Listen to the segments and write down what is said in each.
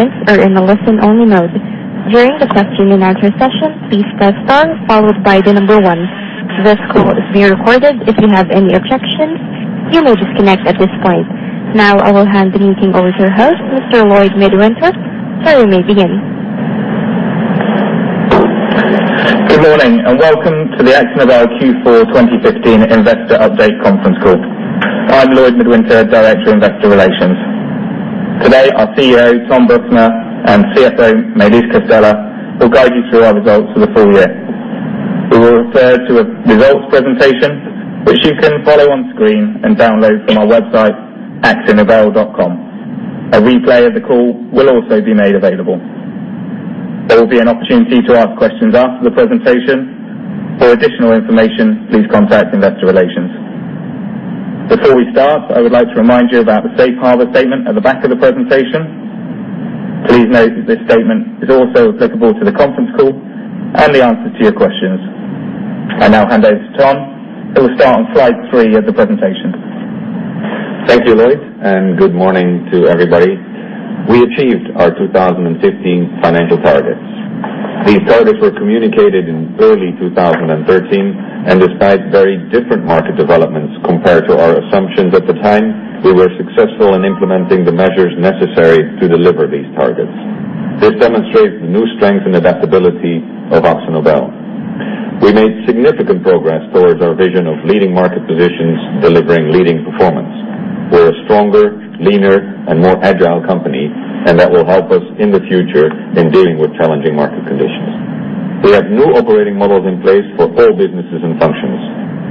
Participants are in a listen-only mode. During the question and answer session, please press star followed by the number one. This call is being recorded. If you have any objections, you may disconnect at this point. Now I will hand the meeting over to your host, Mr. Lloyd Midwinter, so we may begin. Good morning, and welcome to the Akzo Nobel Q4 2015 investor update conference call. I'm Lloyd Midwinter, director, investor relations. Today, our CEO, Ton Büchner, and CFO, Maëlys Castella, will guide you through our results for the full year. We will refer to a results presentation which you can follow on screen and download from our website, akzonobel.com. A replay of the call will also be made available. There will be an opportunity to ask questions after the presentation. For additional information, please contact investor relations. Before we start, I would like to remind you about the safe harbor statement at the back of the presentation. Please note that this statement is also applicable to the conference call and the answers to your questions. I now hand over to Ton, who will start on slide three of the presentation. Thank you, Lloyd, and good morning to everybody. We achieved our 2015 financial targets. These targets were communicated in early 2013, and despite very different market developments compared to our assumptions at the time, we were successful in implementing the measures necessary to deliver these targets. This demonstrates the new strength and adaptability of Akzo Nobel. We made significant progress towards our vision of leading market positions, delivering leading performance. We're a stronger, leaner, and more agile company, and that will help us in the future in dealing with challenging market conditions. We have new operating models in place for all businesses and functions.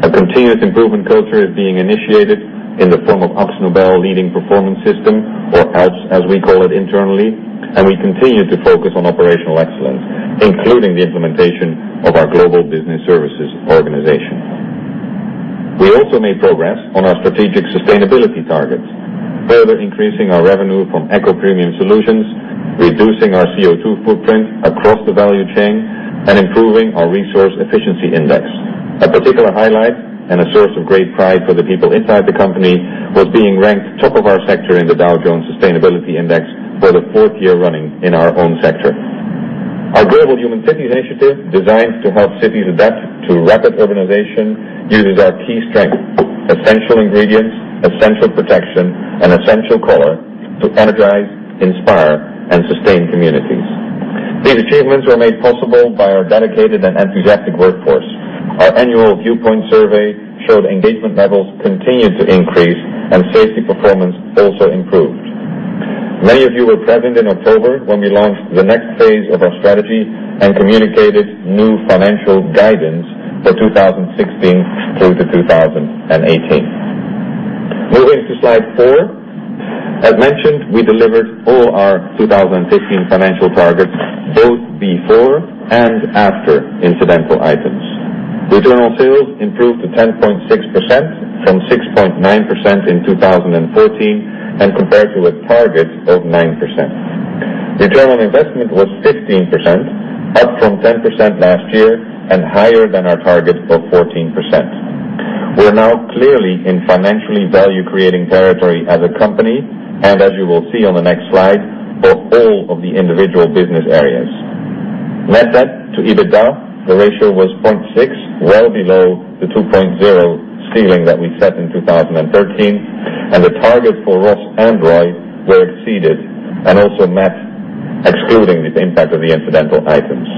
A continuous improvement culture is being initiated in the form of AkzoNobel Leading Performance System, or ALPS as we call it internally, and we continue to focus on operational excellence, including the implementation of our Global Business Services organization. We also made progress on our strategic sustainability targets, further increasing our revenue from eco-premium solutions, reducing our CO2 footprint across the value chain, and improving our resource efficiency index. A particular highlight and a source of great pride for the people inside the company was being ranked top of our sector in the Dow Jones Sustainability Index for the fourth year running in our own sector. Our Global Human Cities Initiative, designed to help cities adapt to rapid urbanization, uses our key strength, essential ingredients, essential protection, and essential color to energize, inspire, and sustain communities. These achievements were made possible by our dedicated and enthusiastic workforce. Our annual Viewpoint survey showed engagement levels continued to increase, and safety performance also improved. Many of you were present in October when we launched the next phase of our strategy and communicated new financial guidance for 2016 through to 2018. Moving to slide four. As mentioned, we delivered all our 2015 financial targets, both before and after incidental items. Return on sales improved to 10.6% from 6.9% in 2014, and compared to a target of 9%. Return on investment was 15%, up from 10% last year and higher than our target of 14%. We're now clearly in financially value-creating territory as a company, and as you will see on the next slide, for all of the individual business areas. Net debt to EBITDA, the ratio was 0.6, well below the 2.0 ceiling that we set in 2013, and the targets for ROS and ROI were exceeded and also met, excluding the impact of the incidental items.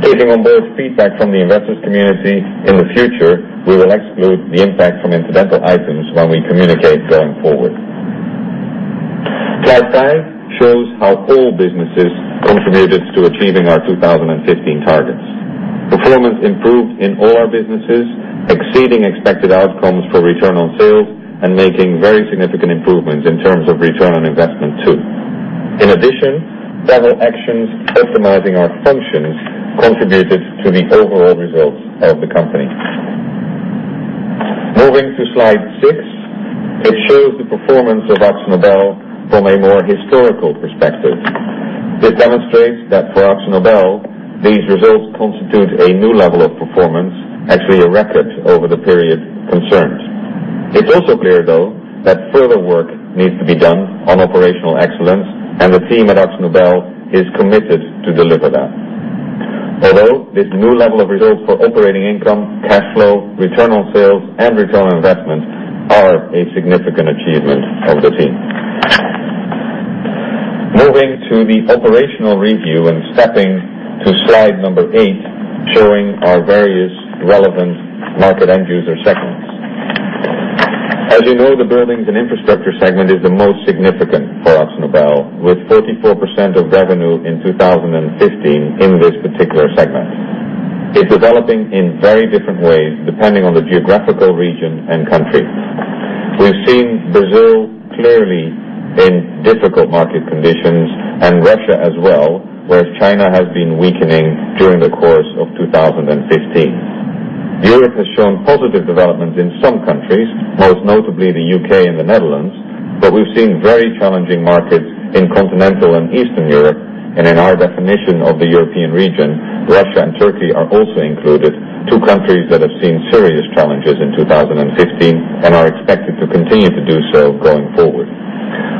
Taking on board feedback from the investors community, in the future, we will exclude the impact from incidental items when we communicate going forward. Slide five shows how all businesses contributed to achieving our 2015 targets. Performance improved in all our businesses, exceeding expected outcomes for return on sales and making very significant improvements in terms of return on investment too. In addition, several actions optimizing our functions contributed to the overall results of the company. Moving to slide six, it shows the performance of Akzo Nobel from a more historical perspective. This demonstrates that for Akzo Nobel, these results constitute a new level of performance, actually a record over the period concerned. It's also clear, though, that further work needs to be done on operational excellence, and the team at Akzo Nobel is committed to deliver that. Although this new level of results for operating income, cash flow, return on sales, and return on investment are a significant achievement of the team. Moving to the operational review and stepping to slide number eight, showing our various relevant market end user segments. As you know, the buildings and infrastructure segment is the most significant for Akzo Nobel, with 44% of revenue in 2015 in this particular segment. It's developing in very different ways, depending on the geographical region and country. We've seen Brazil clearly in difficult market conditions and Russia as well, whereas China has been weakening during the course of 2015. Europe has shown positive development in some countries, most notably the U.K. and the Netherlands. We've seen very challenging markets in continental and Eastern Europe, and in our definition of the European region, Russia and Turkey are also included, two countries that have seen serious challenges in 2015 and are expected to continue to do so going forward.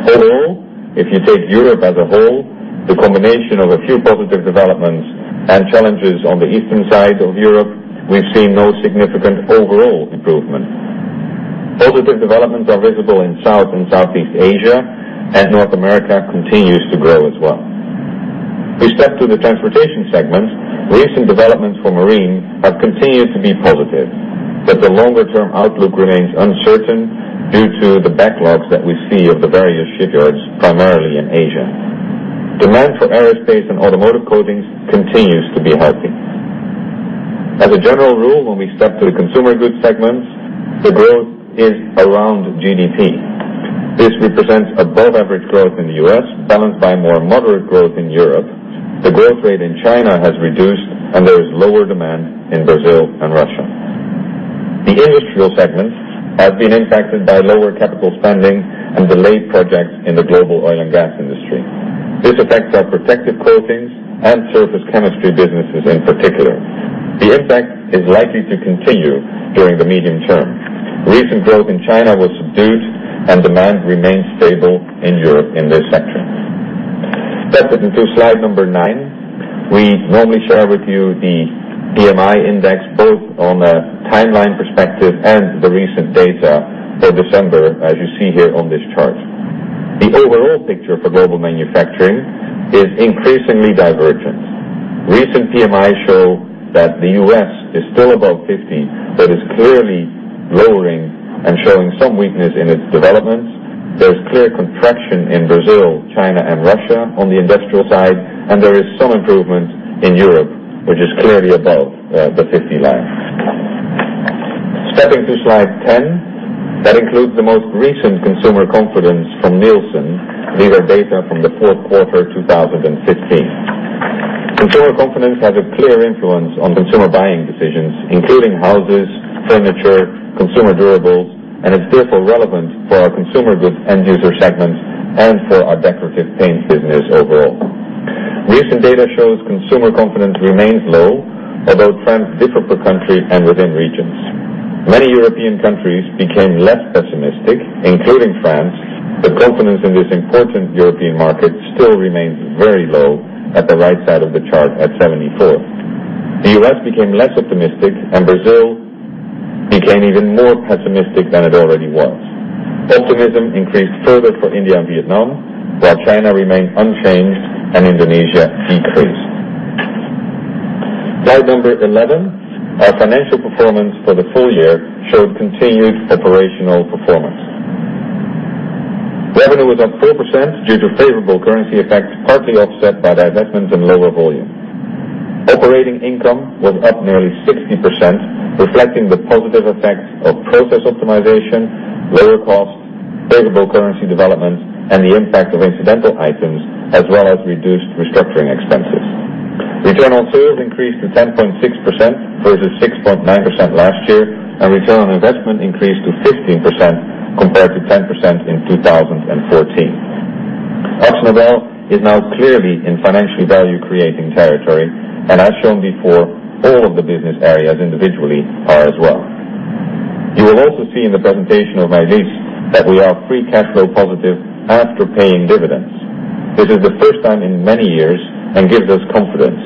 Overall, if you take Europe as a whole, the combination of a few positive developments and challenges on the eastern side of Europe, we've seen no significant overall improvement. Positive developments are visible in South and Southeast Asia, and North America continues to grow as well. We step to the transportation segment. Recent developments for marine have continued to be positive, but the longer-term outlook remains uncertain due to the backlogs that we see of the various shipyards, primarily in Asia. Demand for aerospace and automotive coatings continues to be healthy. As a general rule, when we step to the consumer goods segment, the growth is around GDP. This represents above-average growth in the U.S., balanced by more moderate growth in Europe. The growth rate in China has reduced, and there is lower demand in Brazil and Russia. The industrial segment has been impacted by lower capital spending and delayed projects in the global oil and gas industry. This affects our Protective Coatings and Surface Chemistry businesses in particular. The impact is likely to continue during the medium term. Recent growth in China was subdued and demand remains stable in Europe in this sector. Stepping to slide number nine. We normally share with you the PMI index, both on a timeline perspective and the recent data for December, as you see here on this chart. The overall picture for global manufacturing is increasingly divergent. Recent PMIs show that the U.S. is still above 50, but is clearly lowering and showing some weakness in its developments. There's clear contraction in Brazil, China, and Russia on the industrial side, and there is some improvement in Europe, which is clearly above the 50 line. Stepping to slide 10, that includes the most recent consumer confidence from Nielsen. These are data from the fourth quarter 2015. Consumer confidence has a clear influence on consumer buying decisions, including houses, furniture, consumer durables, and is therefore relevant for our consumer goods end user segments and for our Decorative Paints business overall. Recent data shows consumer confidence remains low, although trends differ per country and within regions. Many European countries became less pessimistic, including France, but confidence in this important European market still remains very low at the right side of the chart at 74. The U.S. became less optimistic, and Brazil became even more pessimistic than it already was. Optimism increased further for India and Vietnam, while China remained unchanged and Indonesia decreased. Slide number 11. Our financial performance for the full year showed continued operational performance. Revenue was up 4% due to favorable currency effects, partly offset by divestments and lower volume. Operating income was up nearly 60%, reflecting the positive effects of process optimization, lower costs, favorable currency developments, and the impact of incidental items, as well as reduced restructuring expenses. Return on sales increased to 10.6% versus 6.9% last year, and Return on Investment increased to 15% compared to 10% in 2014. Akzo Nobel is now clearly in financial value creating territory. As shown before, all of the business areas individually are as well. You will also see in the presentation of Maëlys that we are free cash flow positive after paying dividends. This is the first time in many years and gives us confidence,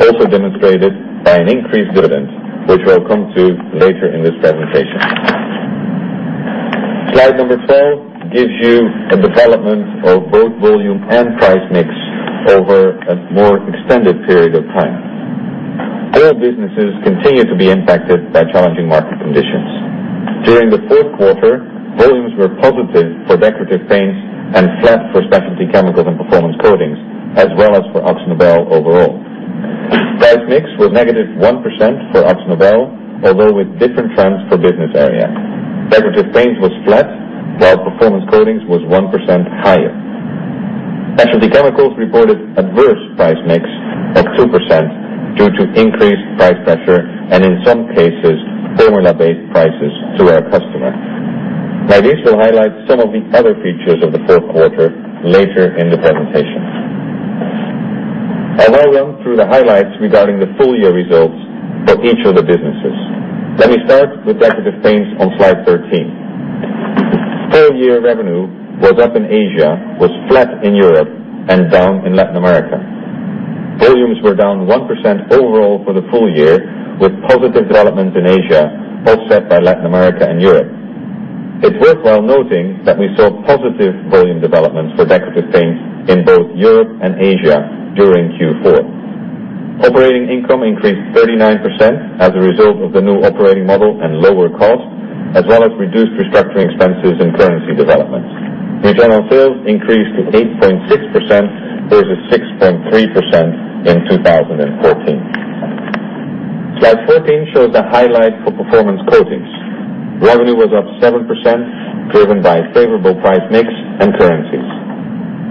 also demonstrated by an increased dividend, which we'll come to later in this presentation. Slide number 12 gives you a development of both volume and price mix over a more extended period of time. All businesses continue to be impacted by challenging market conditions. During the fourth quarter, volumes were positive for Decorative Paints and flat for Specialty Chemicals and Performance Coatings, as well as for Akzo Nobel overall. Price mix was -1% for Akzo Nobel, although with different trends for business area. Decorative Paints was flat, while Performance Coatings was 1% higher. Specialty Chemicals reported adverse price mix at 2% due to increased price pressure, and in some cases, formula-based prices to our customer. Maëlys will highlight some of the other features of the fourth quarter later in the presentation. I'll now run through the highlights regarding the full year results for each of the businesses. Let me start with Decorative Paints on slide 13. Full year revenue was up in Asia, was flat in Europe, and down in Latin America. Volumes were down 1% overall for the full year, with positive development in Asia offset by Latin America and Europe. It's worthwhile noting that we saw positive volume developments for Decorative Paints in both Europe and Asia during Q4. Operating income increased 39% as a result of the new operating model and lower cost, as well as reduced restructuring expenses and currency developments. Return on sales increased to 8.6% versus 6.3% in 2014. Slide 14 shows the highlight for Performance Coatings. Revenue was up 7%, driven by favorable price mix and currencies.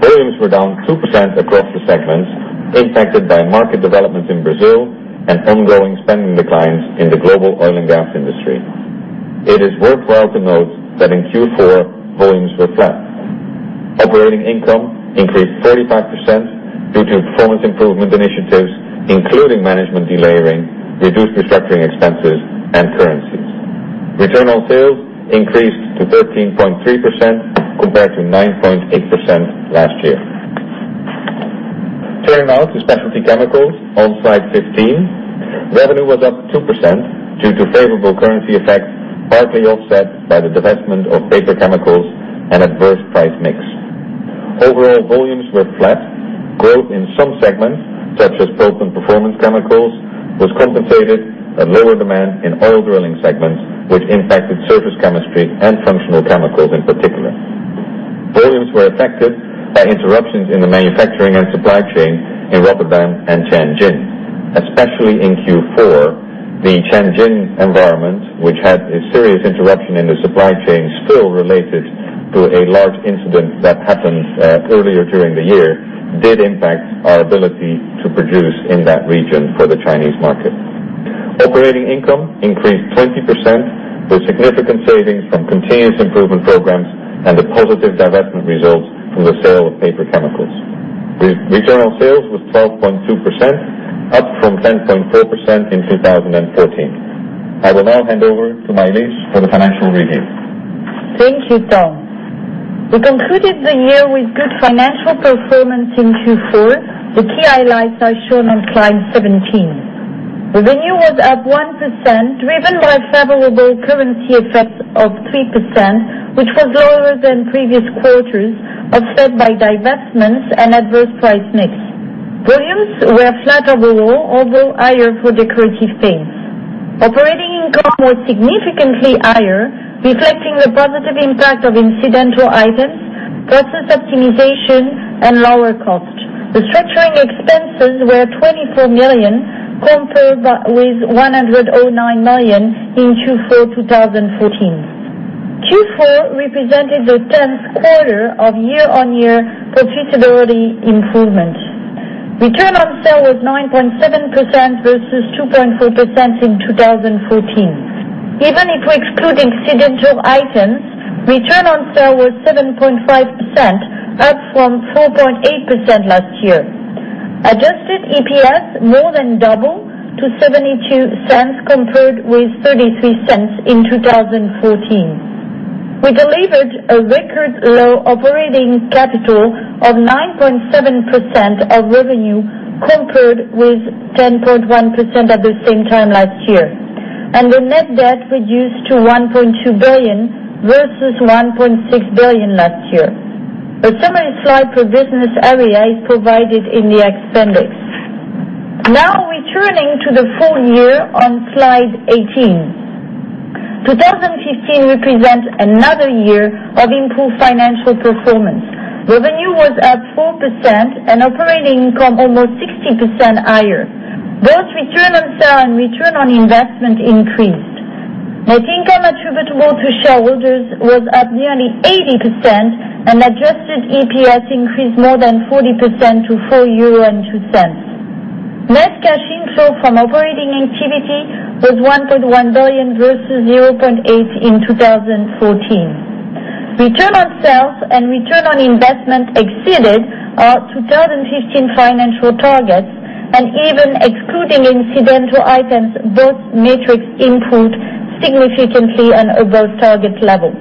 Volumes were down 2% across the segments impacted by market developments in Brazil and ongoing spending declines in the global oil and gas industry. It is worthwhile to note that in Q4, volumes were flat. Operating income increased 35% due to performance improvement initiatives, including management delayering, reduced restructuring expenses, and currencies. Return on sales increased to 13.3% compared to 9.8% last year. Turning now to Specialty Chemicals on slide 15. Revenue was up 2% due to favorable currency effects, partly offset by the divestment of Paper Chemicals and adverse price mix. Overall volumes were flat. Growth in some segments, such as coating performance chemicals, was compensated by lower demand in oil drilling segments, which impacted Surface Chemistry and Functional Chemicals in particular. Volumes were affected by interruptions in the manufacturing and supply chain in Rotterdam and Tianjin. Especially in Q4, the Tianjin environment, which had a serious interruption in the supply chain still related to a large incident that happened earlier during the year, did impact our ability to produce in that region for the Chinese market. Operating income increased 20%, with significant savings from continuous improvement programs and the positive divestment results from the sale of Paper Chemicals. Return on sales was 12.2%, up from 10.4% in 2014. I will now hand over to Maëlys for the financial review. Thank you, Ton. We concluded the year with good financial performance in Q4. The key highlights are shown on slide 17. Revenue was up 1%, driven by favorable currency effects of 3%, which was lower than previous quarters, offset by divestments and adverse price mix. Volumes were flat overall, although higher for Decorative Paints. Operating income was significantly higher, reflecting the positive impact of incidental items, process optimization, and lower cost. Restructuring expenses were 24 million compared with 109 million in Q4 2014. Q4 represented the 10th quarter of year-on-year profitability improvement. Return on sale was 9.7% versus 2.4% in 2014. Even if we exclude incidental items, return on sale was 7.5%, up from 4.8% last year. Adjusted EPS more than doubled to 0.72 compared with 0.33 in 2014. We delivered a record low operating capital of 9.7% of revenue compared with 10.1% at the same time last year, and the net debt reduced to 1.2 billion versus 1.6 billion last year. The summary slide per business area is provided in the appendix. Returning to the full year on slide 18. 2015 represents another year of improved financial performance. Revenue was up 4% and operating income almost 60% higher. Both return on sales and return on investment increased. Net income attributable to shareholders was up nearly 80%, and adjusted EPS increased more than 40% to €4.02. Net cash inflow from operating activity was 1.1 billion versus 0.8 billion in 2014. Return on sales and return on investment exceeded our 2015 financial targets, and even excluding incidental items, both metrics improved significantly and above target levels.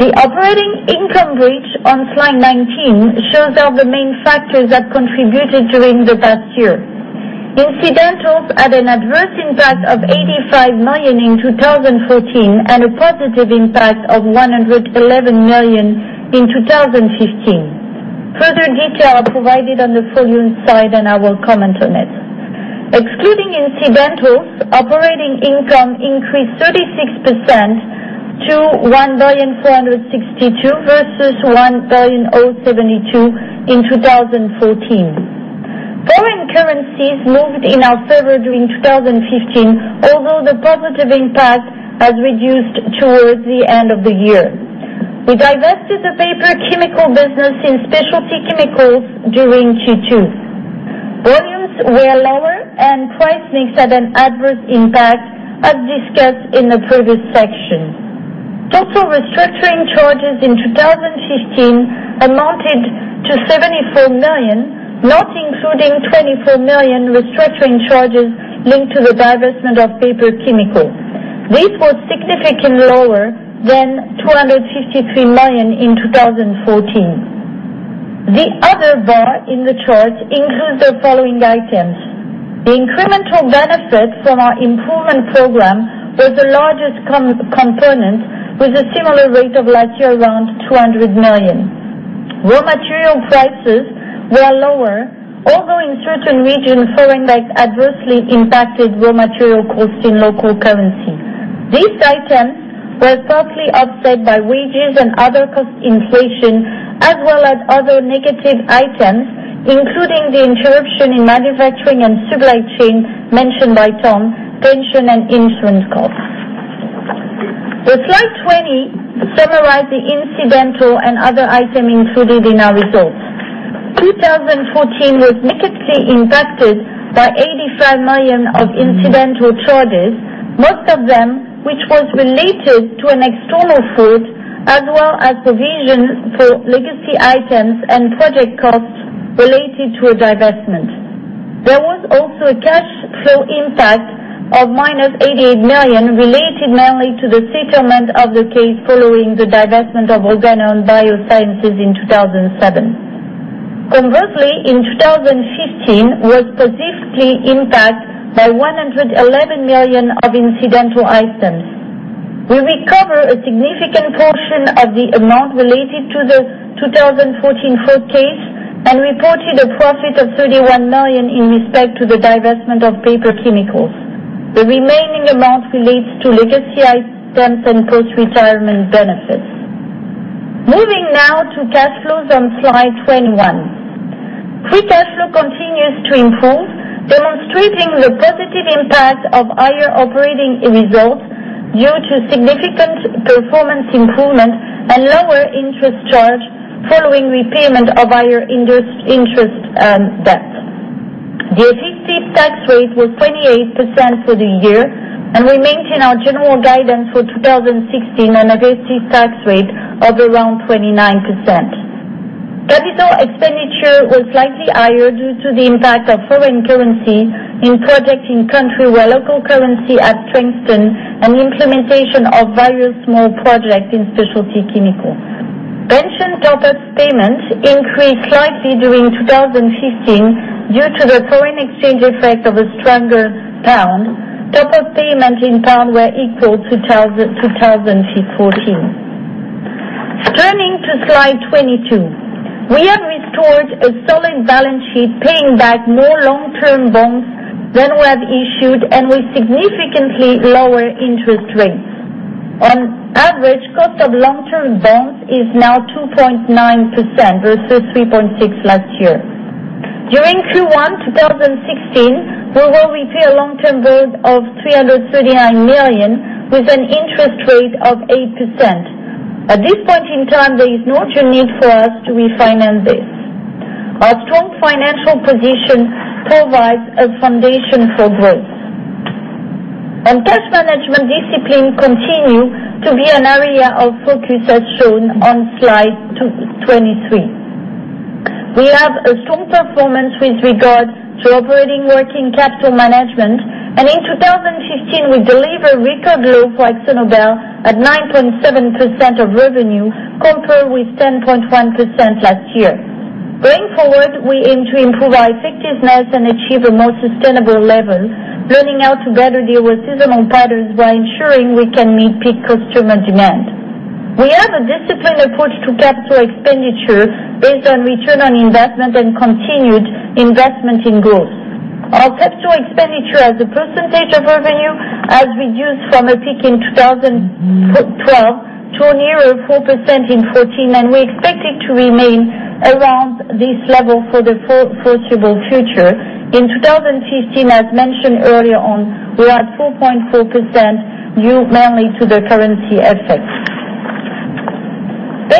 The operating income bridge on slide 19 shows all the main factors that contributed during the past year. Incidentals had an adverse impact of 85 million in 2014 and a positive impact of 111 million in 2015. Further details are provided on the following slide. I will comment on it. Excluding incidentals, operating income increased 36% to 1.462 billion versus 1.072 billion in 2014. ForEx moved in our favor during 2015, although the positive impact has reduced towards the end of the year. We divested the Paper Chemicals business in Specialty Chemicals during Q2. Volumes were lower and price mix had an adverse impact, as discussed in the previous section. Total restructuring charges in 2015 amounted to 74 million, not including 24 million restructuring charges linked to the divestment of Paper Chemicals. This was significantly lower than 253 million in 2014. The other bar in the chart includes the following items. The incremental benefit from our improvement program was the largest component, with a similar rate of last year, around 200 million. Raw material prices were lower, although in certain regions, ForEx adversely impacted raw material costs in local currency. These items were partly offset by wages and other cost inflation, as well as other negative items, including the interruption in manufacturing and supply chain mentioned by Ton, pension, and insurance costs. Slide 20 summarizes the incidental and other items included in our results. 2014 was negatively impacted by 85 million of incidental charges, most of them which were related to an external fraud, as well as provisions for legacy items and project costs related to a divestment. There was also a cash flow impact of -88 million related mainly to the settlement of the case following the divestment of Organon BioSciences in 2007. Conversely, in 2015, we were positively impacted by 111 million of incidental items. We recovered a significant portion of the amount related to the 2014 fraud case and reported a profit of 31 million in respect to the divestment of Paper Chemicals. The remaining amount relates to legacy items and post-retirement benefits. Moving to cash flows on slide 21. Free cash flow continues to improve, demonstrating the positive impact of higher operating results due to significant performance improvement and lower interest charge following repayment of higher interest debt. The effective tax rate was 28% for the year. We maintain our general guidance for 2016 on effective tax rate of around 29%. Capital expenditure was slightly higher due to the impact of foreign currency in projects in countries where local currency has strengthened, and the implementation of various small projects in Specialty Chemicals. Pension top-up payments increased slightly during 2015 due to the foreign exchange effect of a stronger GBP. Top-up payments in GBP were equal to 2014. Turning to slide 22. We have restored a solid balance sheet, paying back more long-term bonds than we have issued, and with significantly lower interest rates. On average, cost of long-term bonds is now 2.9% versus 3.6% last year. During Q1 2016, we will repay long-term loans of 339 million with an interest rate of 8%. At this point in time, there is no urgent need for us to refinance this. Our strong financial position provides a foundation for growth. Cash management discipline continues to be an area of focus, as shown on slide 23. We have a strong performance with regards to operating working capital management, and in 2015, we delivered a record low for AkzoNobel at 9.7% of revenue, compared with 10.1% last year. Going forward, we aim to improve our effectiveness and achieve a more sustainable level, learning how to better deal with seasonal patterns while ensuring we can meet peak customer demand. We have a disciplined approach to capital expenditure based on return on investment and continued investment in growth. Our capital expenditure as a percentage of revenue has reduced from a peak in 2012 to nearer 4% in 2014, and we expect it to remain around this level for the foreseeable future. In 2015, as mentioned earlier on, we are at 4.4%, due mainly to the currency effects.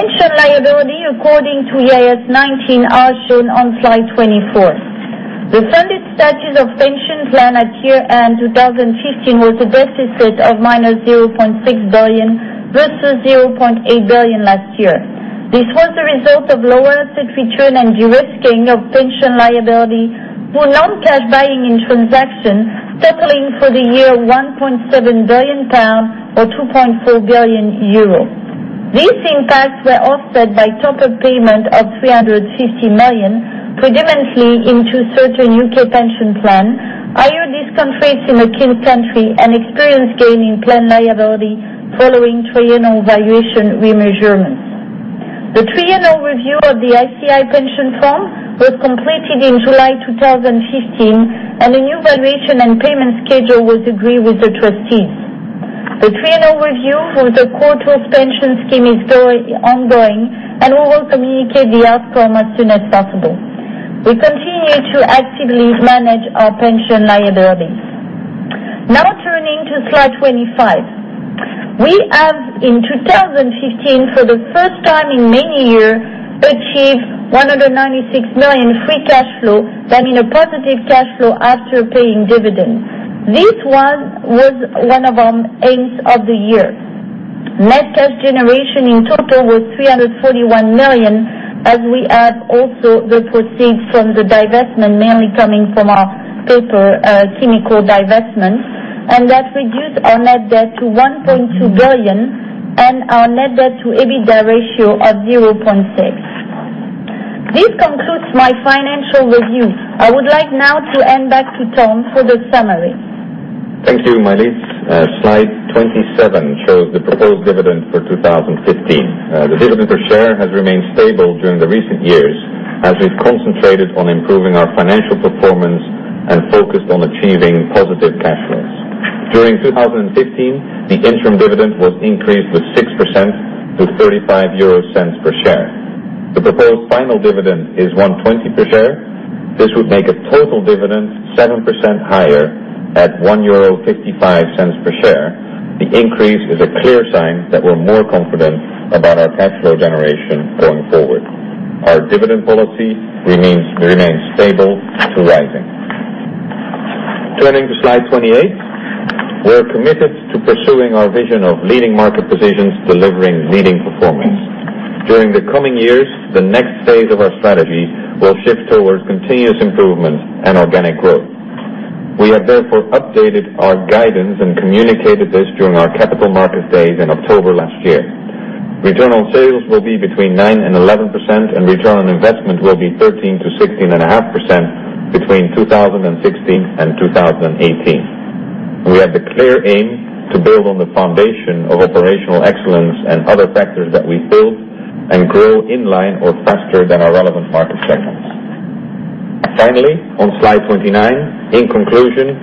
Pension liability according to IAS 19 are shown on slide 24. The funded status of pension plan at year-end 2015 was a deficit of -0.6 billion, versus 0.8 billion last year. This was a result of lower asset return and de-risking of pension liability through lump cash buying in transaction totaling, for the year, £1.7 billion or 2.4 billion euro. These impacts were offset by top-up payment of 350 million, predominantly into certain U.K. pension plan, higher discounts rates in a keen country, and experience gain in plan liability following triennial valuation remeasurement. The triennial review of the ICI Pension Fund was completed in July 2015, and a new valuation and payment schedule was agreed with the trustees. The triennial review for the Courtaulds Pension Scheme is still ongoing, and we will communicate the outcome as soon as possible. We continue to actively manage our pension liabilities. Turning to slide 25. We have, in 2015, for the first time in many years, achieved 196 million free cash flow, that is a positive cash flow after paying dividends. This was one of our aims of the year. Net cash generation in total was 341 million, as we have also the proceeds from the divestment mainly coming from our Paper Chemicals divestment, and that reduced our net debt to 1.2 billion and our net debt to EBITDA ratio of 0.6. This concludes my financial review. I would like now to hand back to Ton for the summary. Thank you, Maëlys. Slide 27 shows the proposed dividend for 2015. The dividend per share has remained stable during the recent years as we've concentrated on improving our financial performance and focused on achieving positive cash flows. During 2015, the interim dividend was increased by 6%. To 0.35 per share. The proposed final dividend is 1.20 per share. This would make a total dividend 7% higher at 1.55 euro per share. The increase is a clear sign that we're more confident about our cash flow generation going forward. Our dividend policy remains stable to rising. Turning to slide 28. We're committed to pursuing our vision of leading market positions, delivering leading performance. During the coming years, the next phase of our strategy will shift towards continuous improvement and organic growth. We have therefore updated our guidance and communicated this during our Capital Markets Day in October last year. Return on sales will be between 9% and 11%, and return on investment will be 13%-16.5% between 2016 and 2018. We have the clear aim to build on the foundation of operational excellence and other factors that we've built, and grow in line or faster than our relevant market segments. Finally, on Slide 29, in conclusion,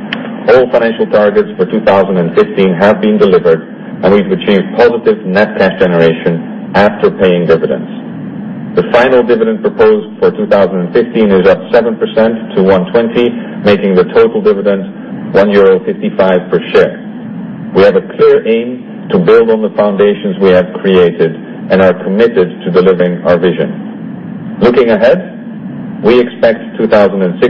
all financial targets for 2015 have been delivered, and we've achieved positive net cash generation after paying dividends. The final dividend proposed for 2015 is up 7% to 1.20, making the total dividend 1.55 euro per share. We have a clear aim to build on the foundations we have created and are committed to delivering our vision. Looking ahead, we expect 2016,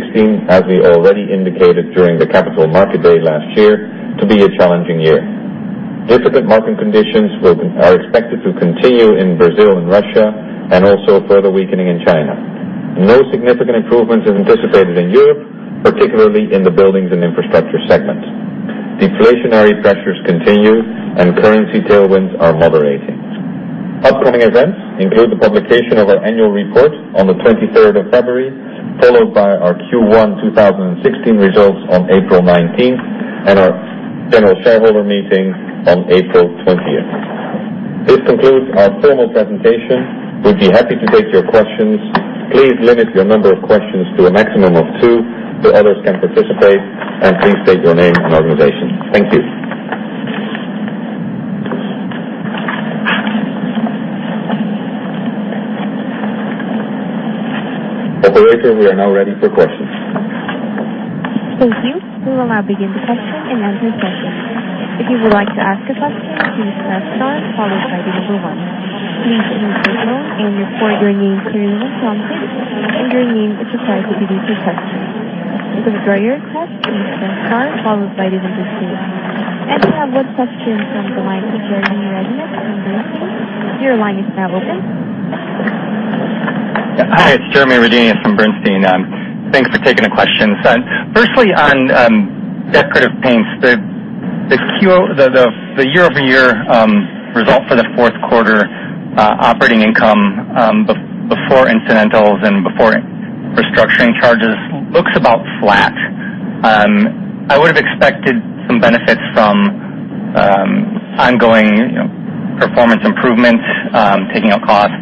as we already indicated during the Capital Markets Day last year, to be a challenging year. Difficult market conditions are expected to continue in Brazil and Russia, and also further weakening in China. No significant improvement is anticipated in Europe, particularly in the buildings and infrastructure segment. Deflationary pressures continue, and currency tailwinds are moderating. Upcoming events include the publication of our annual report on the 23rd of February, followed by our Q1 2016 results on April 19th, and our general shareholder meeting on April 20th. This concludes our formal presentation. We'd be happy to take your questions. Please limit your number of questions to a maximum of two so others can participate, and please state your name and organization. Thank you. Operator, we are now ready for questions. Thank you. We will now begin the question and answer session. If you would like to ask a question, please press star followed by the number one. Please remain on the line and your folder name will be unmuted, and your name is required to be placed in question. To withdraw your request, please press star followed by the number two. We have one question from the line from Jeremy Redenius from Bernstein. Your line is now open. Hi, it's Jeremy Redenius from Bernstein. Thanks for taking the questions. Firstly, on Decorative Paints, the year-over-year result for the fourth quarter operating income, before incidentals and before restructuring charges looks about flat. I would have expected some benefits from ongoing performance improvements, taking out costs,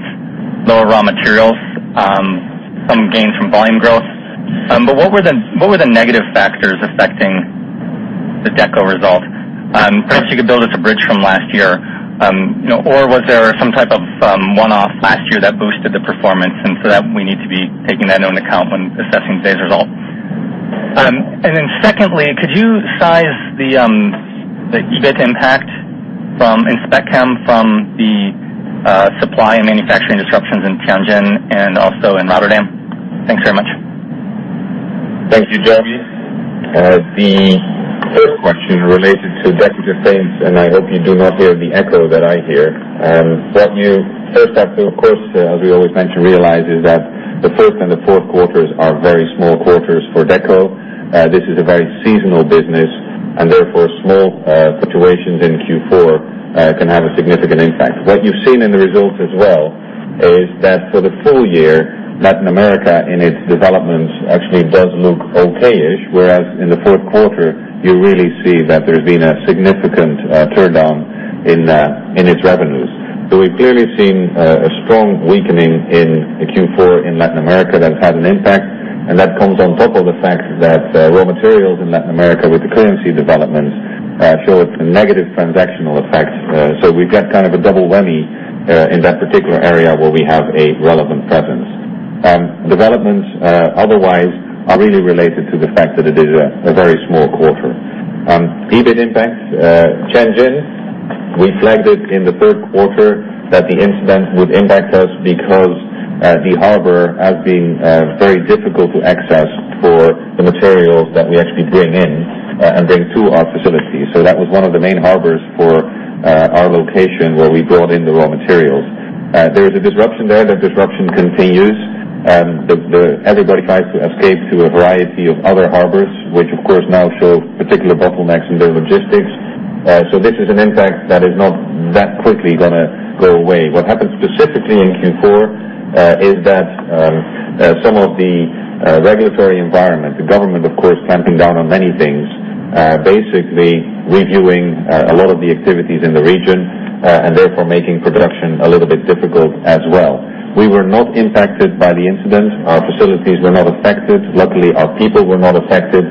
lower raw materials, some gains from volume growth. What were the negative factors affecting the Deco results? Perhaps you could build us a bridge from last year. Was there some type of one-off last year that boosted the performance, that we need to be taking that into account when assessing today's result? Secondly, could you size the EBIT impact from in Spec Chem from the supply and manufacturing disruptions in Tianjin and also in Rotterdam? Thanks very much. Thank you, Jeremy. The first question related to Decorative Paints. I hope you do not hear the echo that I hear. You first have to, of course, as we always mention, realize is that the first and the fourth quarters are very small quarters for Deco. This is a very seasonal business. Small fluctuations in Q4 can have a significant impact. You've seen in the results as well is that for the full year, Latin America in its developments actually does look okay-ish, whereas in the fourth quarter, you really see that there's been a significant turndown in its revenues. We've clearly seen a strong weakening in Q4 in Latin America that had an impact, that comes on top of the fact that raw materials in Latin America with the currency developments showed negative transactional effects. We've got kind of a double whammy in that particular area where we have a relevant presence. Developments, otherwise, are really related to the fact that it is a very small quarter. On EBIT impacts, Tianjin, we flagged it in the third quarter that the incident would impact us because the harbor has been very difficult to access for the materials that we actually bring in and bring to our facility. That was one of the main harbors for our location where we brought in the raw materials. There is a disruption there. That disruption continues. Everybody tries to escape to a variety of other harbors, which of course now shows particular bottlenecks in their logistics. This is an impact that is not that quickly going to go away. Specifically in Q4 is that some of the regulatory environment, the government, of course, clamping down on many things, basically reviewing a lot of the activities in the region, making production a little bit difficult as well. We were not impacted by the incident. Our facilities were not affected. Luckily, our people were not affected.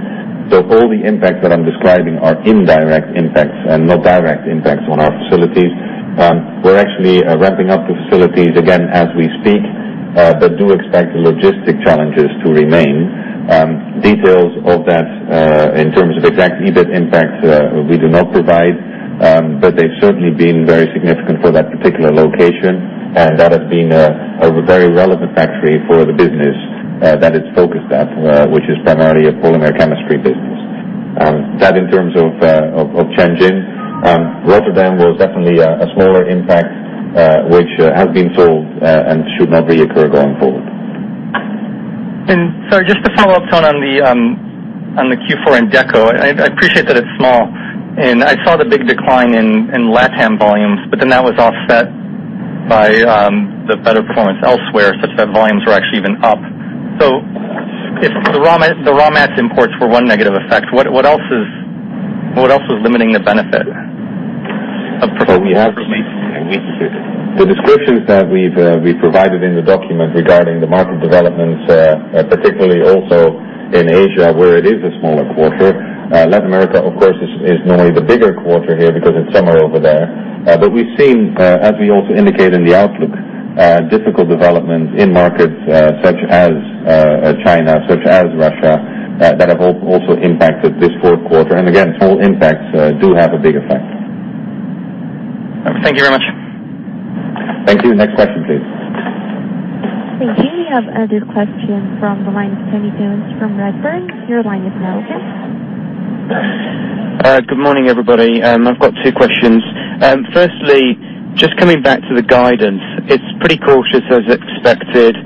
All the impact that I'm describing are indirect impacts and not direct impacts on our facilities. We're actually ramping up the facilities again as we speak. Do expect the logistic challenges to remain. Details of that, in terms of exact EBIT impact, we do not provide. They've certainly been very significant for that particular location, that has been a very relevant factory for the business that it's focused at, which is primarily a polymer chemistry business. That in terms of Tianjin. Rotterdam was definitely a smaller impact, which has been solved and should not reoccur going forward. Sorry, just to follow up, Ton, on the Q4 and Deco. I appreciate that it's small. I saw the big decline in LatAm volumes, then that was offset by the better performance elsewhere, such that volumes were actually even up. If the raw mats imports were one negative effect, what else is limiting the benefit of performance? The descriptions that we've provided in the document regarding the market developments, particularly also in Asia, where it is a smaller quarter. Latin America, of course, is normally the bigger quarter here because it's summer over there. We've seen, as we also indicate in the outlook, difficult development in markets such as China, such as Russia, that have also impacted this fourth quarter. Again, small impacts do have a big effect. Okay. Thank you very much. Thank you. Next question, please. Thank you. We have another question from the line of Tony Jones from Redburn. Your line is now open. Good morning, everybody. I've got two questions. Firstly, just coming back to the guidance. It's pretty cautious as expected.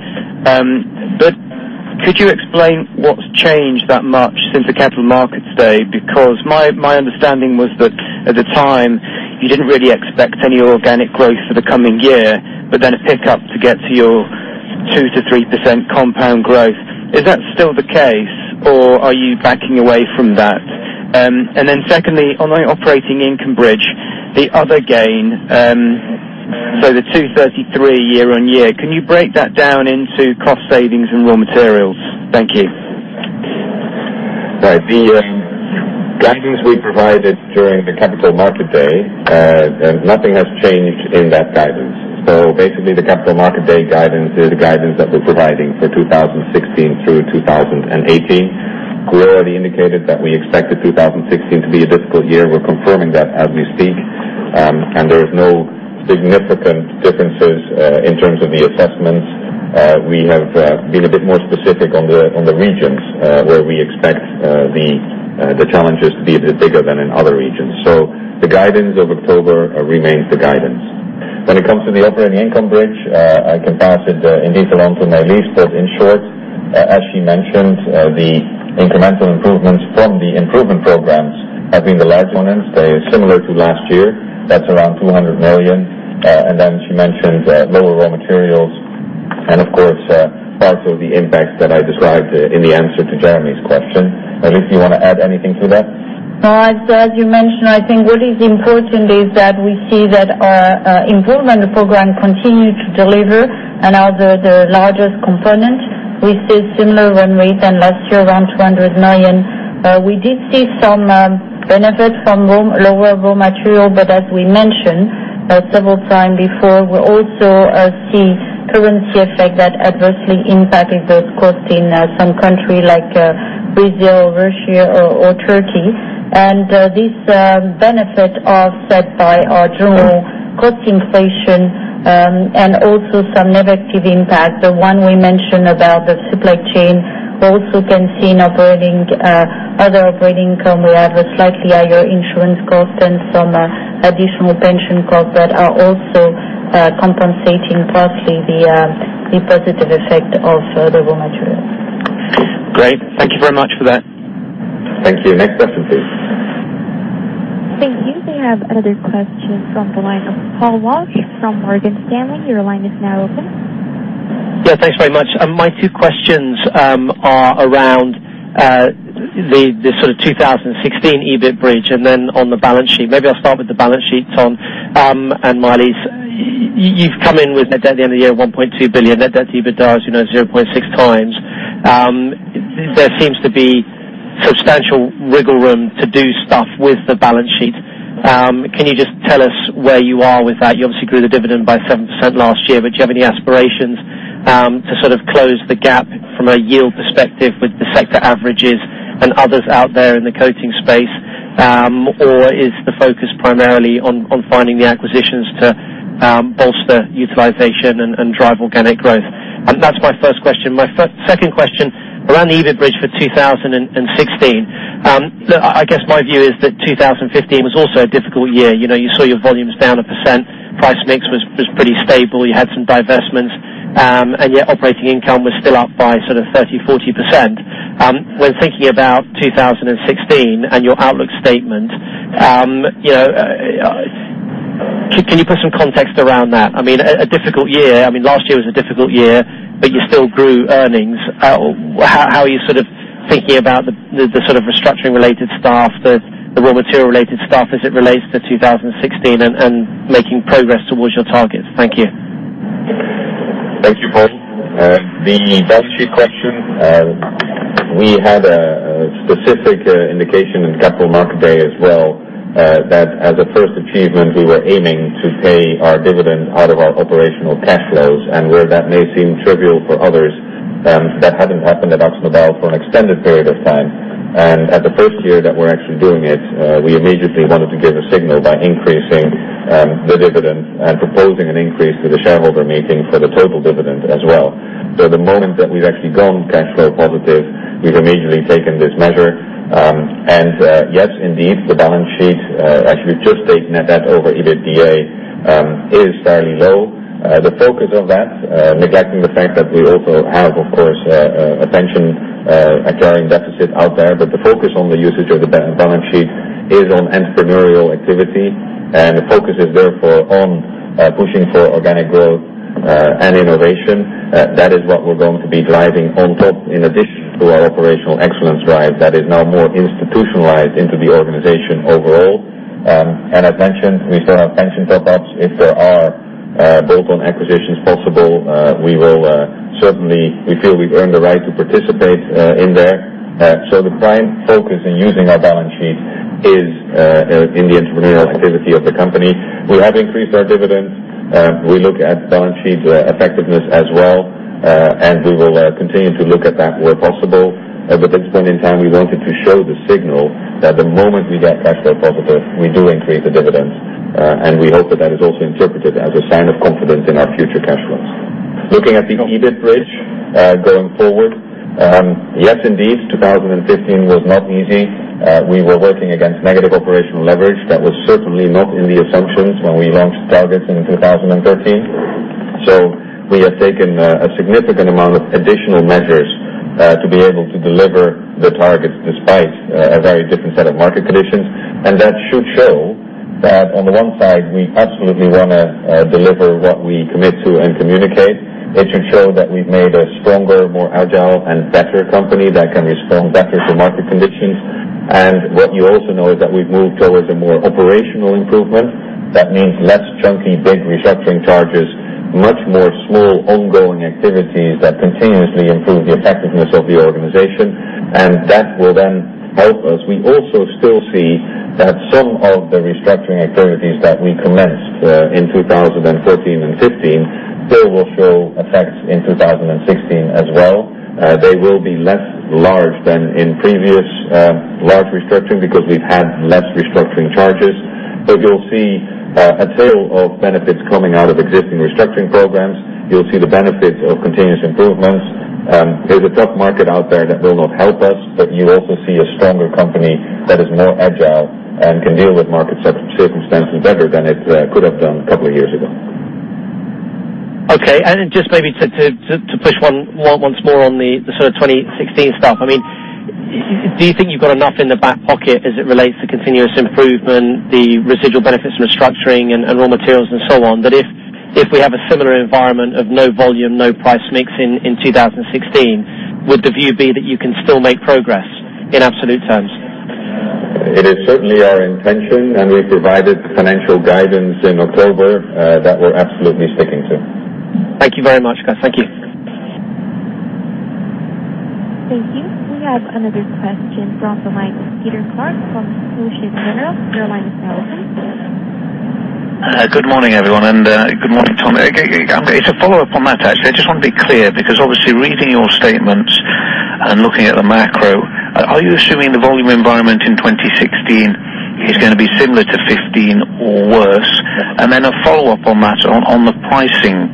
Could you explain what's changed that much since the Capital Markets Day? Because my understanding was that at the time, you didn't really expect any organic growth for the coming year, a pickup to get to your 2%-3% compound growth. Is that still the case, or are you backing away from that? Secondly, on the operating income bridge, the other gain, so the 233 year-on-year, can you break that down into cost savings and raw materials? Thank you. Right. The guidance we provided during the Capital Markets Day, nothing has changed in that guidance. Basically, the Capital Markets Day guidance is the guidance that we're providing for 2016 through 2018. We already indicated that we expected 2016 to be a difficult year. We're confirming that as we speak. There is no significant differences in terms of the assessments. We have been a bit more specific on the regions where we expect the challenges to be a bit bigger than in other regions. The guidance of October remains the guidance. When it comes to the operating income bridge, I can pass it indeed along to Maëlys. In short, as she mentioned, the incremental improvements from the improvement programs have been the large components. They are similar to last year. That's around 200 million. She mentioned lower raw materials and, of course, parts of the impacts that I described in the answer to Jeremy's question. Maëlys, you want to add anything to that? No. As you mentioned, I think what is important is that we see that our improvement program continue to deliver another largest component. We see similar run rate than last year, around 200 million. We did see some benefit from lower raw material, but as we mentioned several time before, we also see currency effect that adversely impacted those costs in some country like Brazil, Russia, or Turkey. This benefit offset by our general cost inflation and also some negative impact. The one we mentioned about the supply chain. We also can see in other operating income, we have a slightly higher insurance cost and some additional pension costs that are also compensating partly the positive effect of the raw materials. Great. Thank you very much for that. Thank you. Next question, please. Thank you. We have another question from the line of Paul Walsh from Morgan Stanley. Your line is now open. Yeah. Thanks very much. My two questions are around the sort of 2016 EBIT bridge and then on the balance sheet. Maybe I'll start with the balance sheet, Ton and Maëlys. You've come in with net debt at the end of the year, 1.2 billion. Net debt to EBITDA is 0.6 times. There seems to be substantial wiggle room to do stuff with the balance sheet. Can you just tell us where you are with that? You obviously grew the dividend by 7% last year, but do you have any aspirations to sort of close the gap from a yield perspective with the sector averages and others out there in the coating space? Or is the focus primarily on finding the acquisitions to bolster utilization and drive organic growth? That's my first question. My second question around the EBIT bridge for 2016. Look, I guess my view is that 2015 was also a difficult year. You saw your volumes down a %. Price mix was pretty stable. You had some divestments, yet operating income was still up by sort of 30%, 40%. When thinking about 2016 and your outlook statement, can you put some context around that? I mean, a difficult year. I mean, last year was a difficult year, but you still grew earnings. How are you sort of Thinking about the restructuring related stuff, the raw material related stuff as it relates to 2016 and making progress towards your targets. Thank you. Thank you, Paul. The balance sheet question. We had a specific indication in Capital Markets Day as well, that as a first achievement, we were aiming to pay our dividend out of our operational cash flows. Where that may seem trivial for others, that hadn't happened at Akzo Nobel for an extended period of time. At the first year that we're actually doing it, we immediately wanted to give a signal by increasing the dividend and proposing an increase to the shareholder meeting for the total dividend as well. The moment that we've actually gone cash flow positive, we've immediately taken this measure. Yes indeed, the balance sheet, actually just taking that over EBITDA, is fairly low. The focus of that, neglecting the fact that we also have, of course, a pension carrying deficit out there. The focus on the usage of the balance sheet is on entrepreneurial activity, and the focus is therefore on pushing for organic growth, and innovation. That is what we're going to be driving on top in addition to our operational excellence drive that is now more institutionalized into the organization overall. As mentioned, we still have pension top-ups. If there are built-on acquisitions possible, we feel we've earned the right to participate in there. The prime focus in using our balance sheet is in the entrepreneurial activity of the company. We have increased our dividends. We look at balance sheet effectiveness as well, and we will continue to look at that where possible. At this point in time, we wanted to show the signal that the moment we get cash flow positive, we do increase the dividends. We hope that that is also interpreted as a sign of confidence in our future cash flows. Looking at the EBIT bridge, going forward. Yes, indeed, 2015 was not easy. We were working against negative operational leverage that was certainly not in the assumptions when we launched targets in 2013. We have taken a significant amount of additional measures to be able to deliver the targets despite a very different set of market conditions. That should show that on the one side, we absolutely want to deliver what we commit to and communicate. It should show that we've made a stronger, more agile, and better company that can respond better to market conditions. What you also know is that we've moved towards a more operational improvement. That means less chunky, big restructuring charges, much more small ongoing activities that continuously improve the effectiveness of the organization. That will then help us. We also still see that some of the restructuring activities that we commenced in 2014 and 2015 still will show effects in 2016 as well. They will be less large than in previous large restructuring because we've had less restructuring charges. You'll see a tail of benefits coming out of existing restructuring programs. You'll see the benefits of continuous improvements. There's a tough market out there that will not help us, but you also see a stronger company that is more agile and can deal with market circumstances better than it could have done a couple of years ago. Okay. Just maybe to push once more on the 2016 stuff. Do you think you've got enough in the back pocket as it relates to continuous improvement, the residual benefits from restructuring and raw materials and so on? That if we have a similar environment of no volume, no price mix in 2016, would the view be that you can still make progress in absolute terms? It is certainly our intention, and we provided financial guidance in October, that we're absolutely sticking to. Thank you very much. Thank you. Thank you. We have another question from the line. Peter Clark from Societe Generale. Your line is now open. Good morning, everyone. Good morning, Ton. To follow up on that, actually, I just want to be clear because obviously reading your statements and looking at the macro, are you assuming the volume environment in 2016 is going to be similar to 2015 or worse? Then a follow-up on that. On the pricing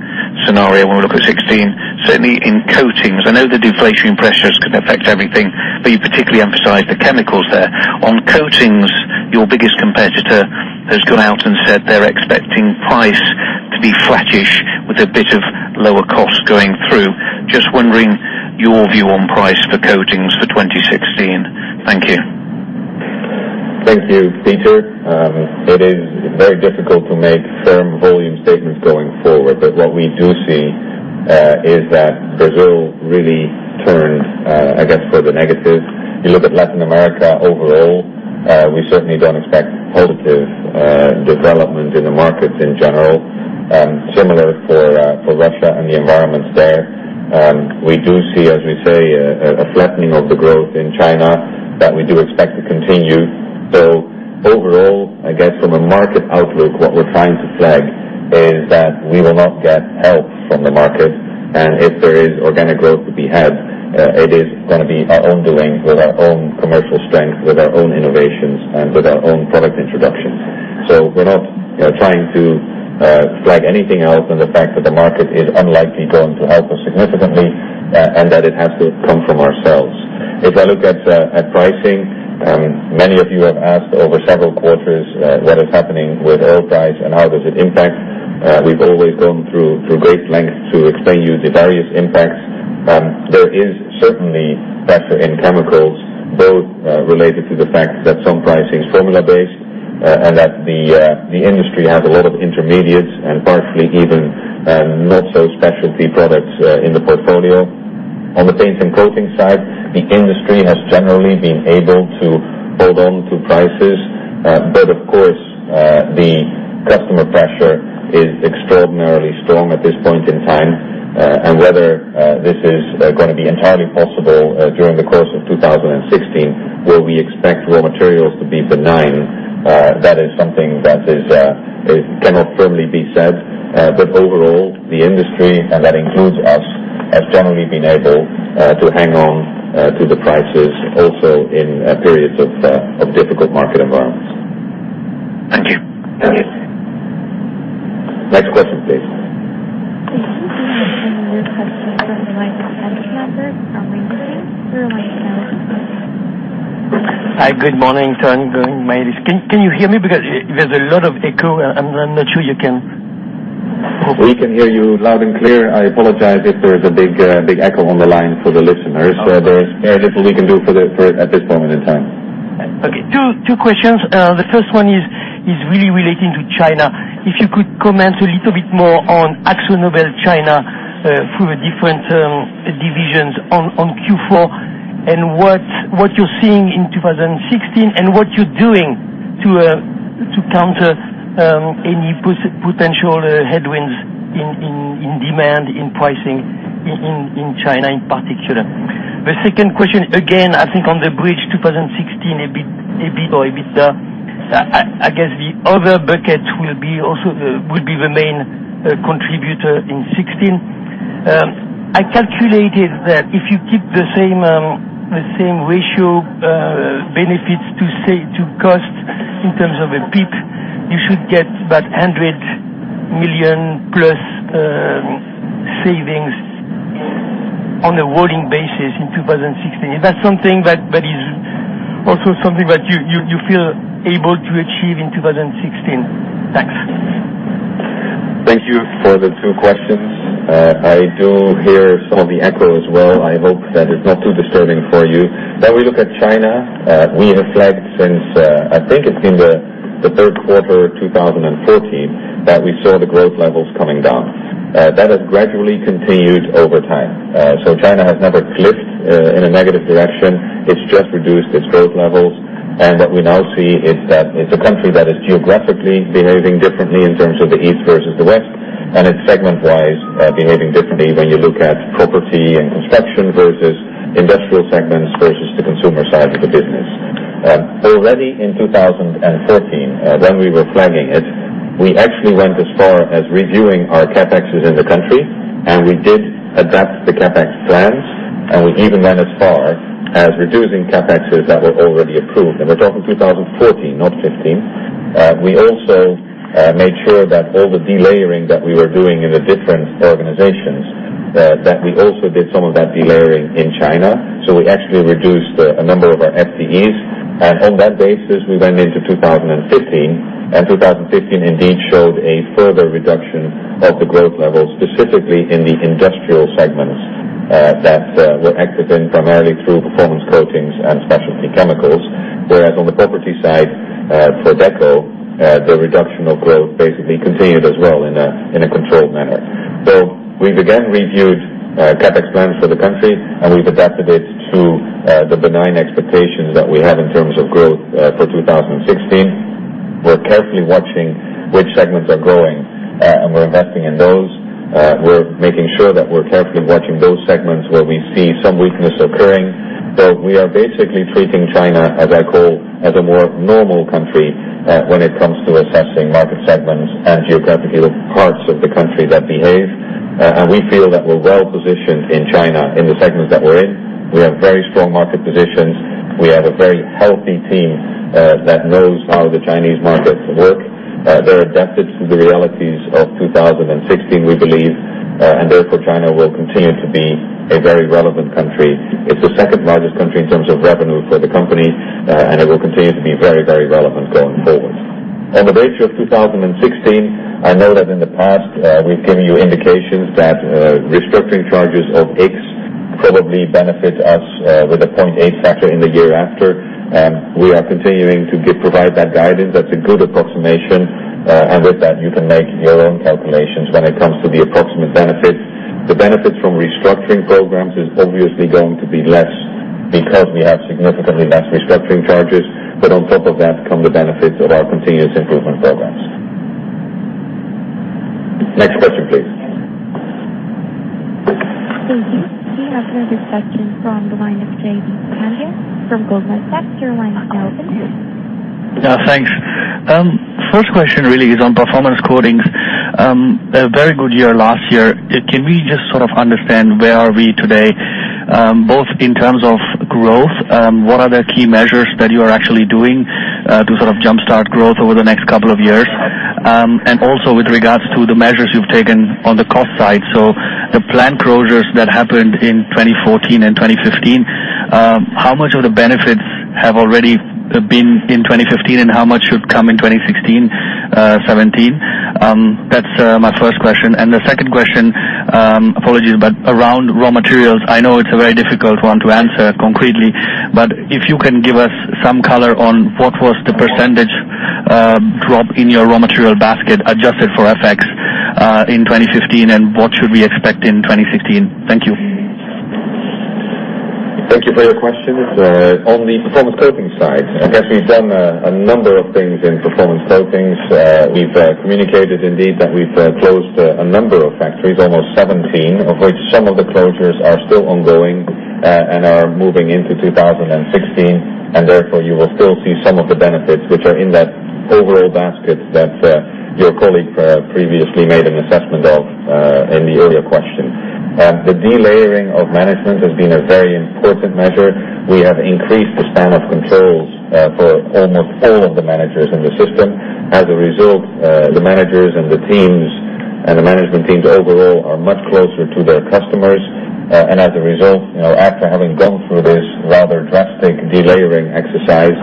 scenario, when we look at 2016, certainly in coatings, I know the deflation pressures can affect everything, but you particularly emphasize the chemicals there. On coatings, your biggest competitor has gone out and said they're expecting price to be flattish with a bit of lower cost going through. Just wondering your view on price for coatings for 2016. Thank you. Thank you, Peter. It is very difficult to make firm volume statements going forward. What we do see is that Brazil really turned, I guess, for the negative. You look at Latin America overall, we certainly don't expect positive development in the markets in general. Similar for Russia and the environments there. We do see, as we say, a flattening of the growth in China that we do expect to continue. Overall, I guess from a market outlook, what we're trying to flag is that we will not get help from the market. If there is organic growth to be had, it is going to be our own doing with our own commercial strength, with our own innovations, and with our own product introductions. We're not trying to flag anything else on the fact that the market is unlikely going to help us significantly, and that it has to come from ourselves. If I look at pricing, many of you have asked over several quarters what is happening with oil price and how does it impact. We've always gone through great lengths to explain you the various impacts. There is certainly pressure in chemicals. Both related to the fact that some pricing is formula-based and that the industry has a lot of intermediates and partially even not so specialty products in the portfolio. On the paints and coatings side, the industry has generally been able to hold on to prices. Of course, the customer pressure is extraordinarily strong at this point in time. Whether this is going to be entirely possible during the course of 2016, where we expect raw materials to be benign, that is something that cannot firmly be said. Overall, the industry, and that includes us, has generally been able to hang on to the prices also in periods of difficult market environments. Thank you. Next question, please. Thank you. We have the next question. Your line is now open. Hi. Good morning. Sorry, can you hear me? Because there's a lot of echo, I'm not sure you can. We can hear you loud and clear. I apologize if there is a big echo on the line for the listeners. There is little we can do for it at this moment in time. Okay. Two questions. The first one is really relating to China. If you could comment a little bit more on AkzoNobel China through the different divisions on Q4, and what you're seeing in 2016, and what you're doing to counter any potential headwinds in demand in pricing in China in particular. The second question, again, I think on the bridge 2016, or I guess the other bucket would be the main contributor in 2016. I calculated that if you keep the same ratio, benefits to cost in terms of a PIP, you should get about 100 million plus savings on a rolling basis in 2016. Is that also something that you feel able to achieve in 2016? Thanks. Thank you for the two questions. I do hear some of the echo as well. I hope that it's not too disturbing for you. We look at China. We have flagged since, I think it's in the third quarter 2014, that we saw the growth levels coming down. That has gradually continued over time. China has never flipped in a negative direction, it's just reduced its growth levels. What we now see is that it's a country that is geographically behaving differently in terms of the east versus the west, and it's segment-wise behaving differently when you look at property and construction versus industrial segments versus the consumer side of the business. Already in 2014, when we were flagging it, we actually went as far as reviewing our CapEx in the country, we did adapt the CapEx plans, we even went as far as reducing CapEx that were already approved. We're talking 2014, not 2015. We also made sure that all the delayering that we were doing in the different organizations, that we also did some of that delayering in China. We actually reduced a number of our FTEs. On that basis, we went into 2015 indeed showed a further reduction of the growth levels, specifically in the industrial segments that were active in primarily through Performance Coatings and Specialty Chemicals. Whereas on the property side, for Deco, the reduction of growth basically continued as well in a controlled manner. We've again reviewed CapEx plans for the country, we've adapted it to the benign expectations that we have in terms of growth for 2016. We're carefully watching which segments are growing, we're investing in those. We're making sure that we're carefully watching those segments where we see some weakness occurring. We are basically treating China, as I call, as a more normal country, when it comes to assessing market segments and geographical parts of the country that behave. We feel that we're well positioned in China in the segments that we're in. We have very strong market positions. We have a very healthy team that knows how the Chinese markets work. They're adapted to the realities of 2016, we believe, therefore, China will continue to be a very relevant country. It's the second largest country in terms of revenue for the company, and it will continue to be very relevant going forward. On the ratio of 2016, I know that in the past, we've given you indications that restructuring charges of X probably benefit us with a 0.8 factor in the year after. We are continuing to provide that guidance. That's a good approximation, and with that, you can make your own calculations when it comes to the approximate benefits. The benefits from restructuring programs is obviously going to be less because we have significantly less restructuring charges, but on top of that come the benefits of our continuous improvement programs. Next question, please. Thank you. We have the next question from the line of Jaideep Pandya from Goldman Sachs. Your line is now open. Thanks. First question really is on Performance Coatings. A very good year last year. Can we just sort of understand where are we today, both in terms of growth, what are the key measures that you are actually doing to jumpstart growth over the next couple of years? Also with regards to the measures you've taken on the cost side. So the plant closures that happened in 2014 and 2015, how much of the benefit have already been in 2015, and how much should come in 2016, 2017? That's my first question. The second question, apologies, but around raw materials, I know it's a very difficult one to answer concretely, but if you can give us some color on what was the percentage drop in your raw material basket adjusted for FX in 2015, and what should we expect in 2016? Thank you. Thank you for your questions. On the Performance Coatings side, I guess we've done a number of things in Performance Coatings. We've communicated indeed that we've closed a number of factories, almost 17, of which some of the closures are still ongoing and are moving into 2016, and therefore, you will still see some of the benefits, which are in that overall basket that your colleague previously made an assessment of in the earlier question. The delayering of management has been a very important measure. We have increased the span of controls for almost all of the managers in the system. As a result, the managers and the teams, and the management teams overall are much closer to their customers. As a result, after having gone through this rather drastic delayering exercise,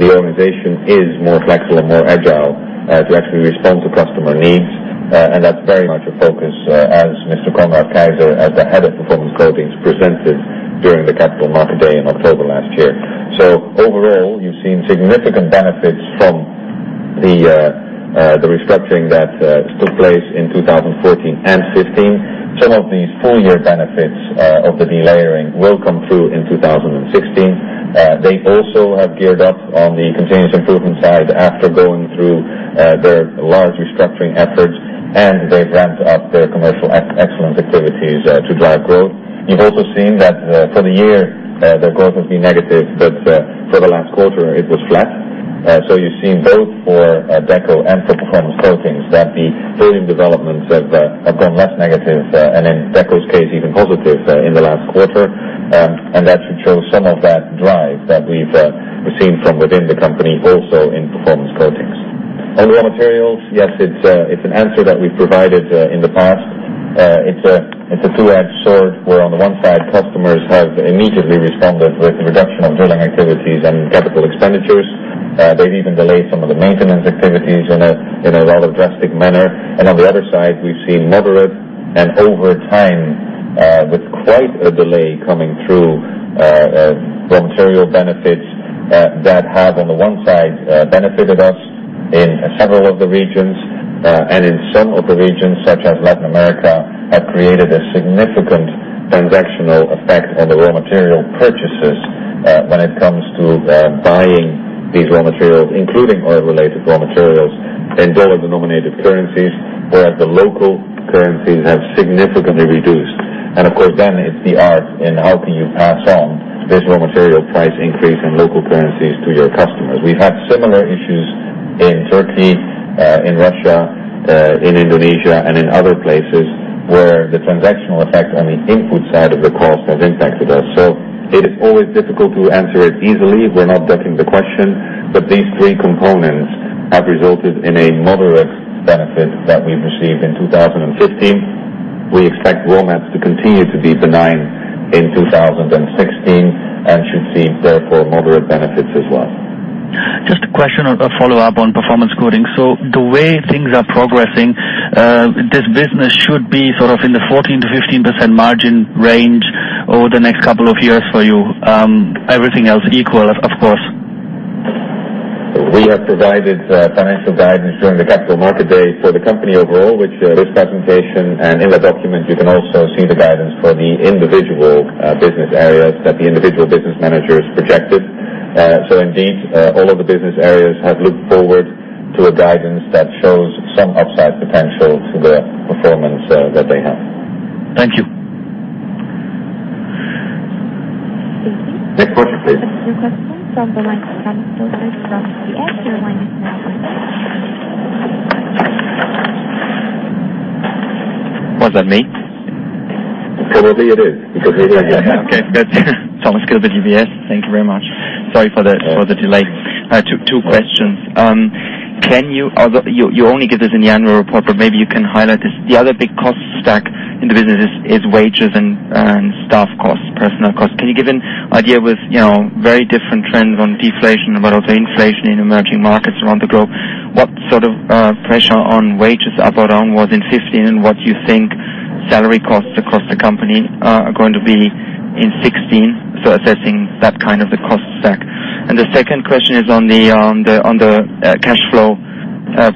the organization is more flexible and more agile to actually respond to customer needs. That's very much a focus as Conrad Keijzer, as the head of Performance Coatings, presented during the Capital Markets Day in October last year. Overall, you've seen significant benefits from the restructuring that took place in 2014 and 2015. Some of these full-year benefits of the delayering will come through in 2016. They also have geared up on the continuous improvement side after going through their large restructuring efforts, and they've ramped up their commercial excellence activities to drive growth. You've also seen that for the year, their growth has been negative, but for the last quarter it was flat. You've seen both for Deco and for Performance Coatings that the volume developments have gone less negative and in Deco's case, even positive in the last quarter. That should show some of that drive that we've seen from within the company also in Performance Coatings. On raw materials, yes, it's an answer that we've provided in the past. It's a two-edged sword, where on the one side, customers have immediately responded with reduction of drilling activities and capital expenditures. They've even delayed some of the maintenance activities in a rather drastic manner. On the other side, we've seen moderate and over time, with quite a delay coming through raw material benefits that have, on the one side, benefited us in several of the regions. In some of the regions, such as Latin America, have created a significant transactional effect on the raw material purchases when it comes to buying these raw materials, including oil-related raw materials in dollar-denominated currencies, whereas the local currencies have significantly reduced. Of course, then it's the art in how can you pass on this raw material price increase in local currencies to your customers. We've had similar issues in Turkey, in Russia, in Indonesia, and in other places where the transactional effect on the input side of the cost has impacted us. It is always difficult to answer it easily. We're not ducking the question, but these three components have resulted in a moderate benefit that we've received in 2015. We expect raw mats to continue to be benign in 2016 and should see, therefore, moderate benefits as well. Just a question, a follow-up on Performance Coatings. The way things are progressing, this business should be in the 14%-15% margin range over the next couple of years for you. Everything else equal, of course. We have provided financial guidance during the Capital Markets Day for the company overall, which this presentation, and in that document, you can also see the guidance for the individual business areas that the individual business managers projected. Indeed, all of the business areas have looked forward to a guidance that shows some upside potential to the performance that they have. Thank you. Stacy? Next question, please. We have a few questions on the line from analysts. First from the line now. Was that me? It probably is, because you're there right now. Okay, good. Thomas Gilbert, UBS. Thank you very much. Sorry for the delay. Two questions. You only give this in the annual report, but maybe you can highlight this. The other big cost stack in the business is wages and staff costs, personnel costs. Can you give an idea with very different trends on deflation but also inflation in emerging markets around the globe? What sort of pressure on wages up or down was in 2015, and what you think salary costs across the company are going to be in 2016? Assessing that kind of the cost stack. The second question is on the cash flow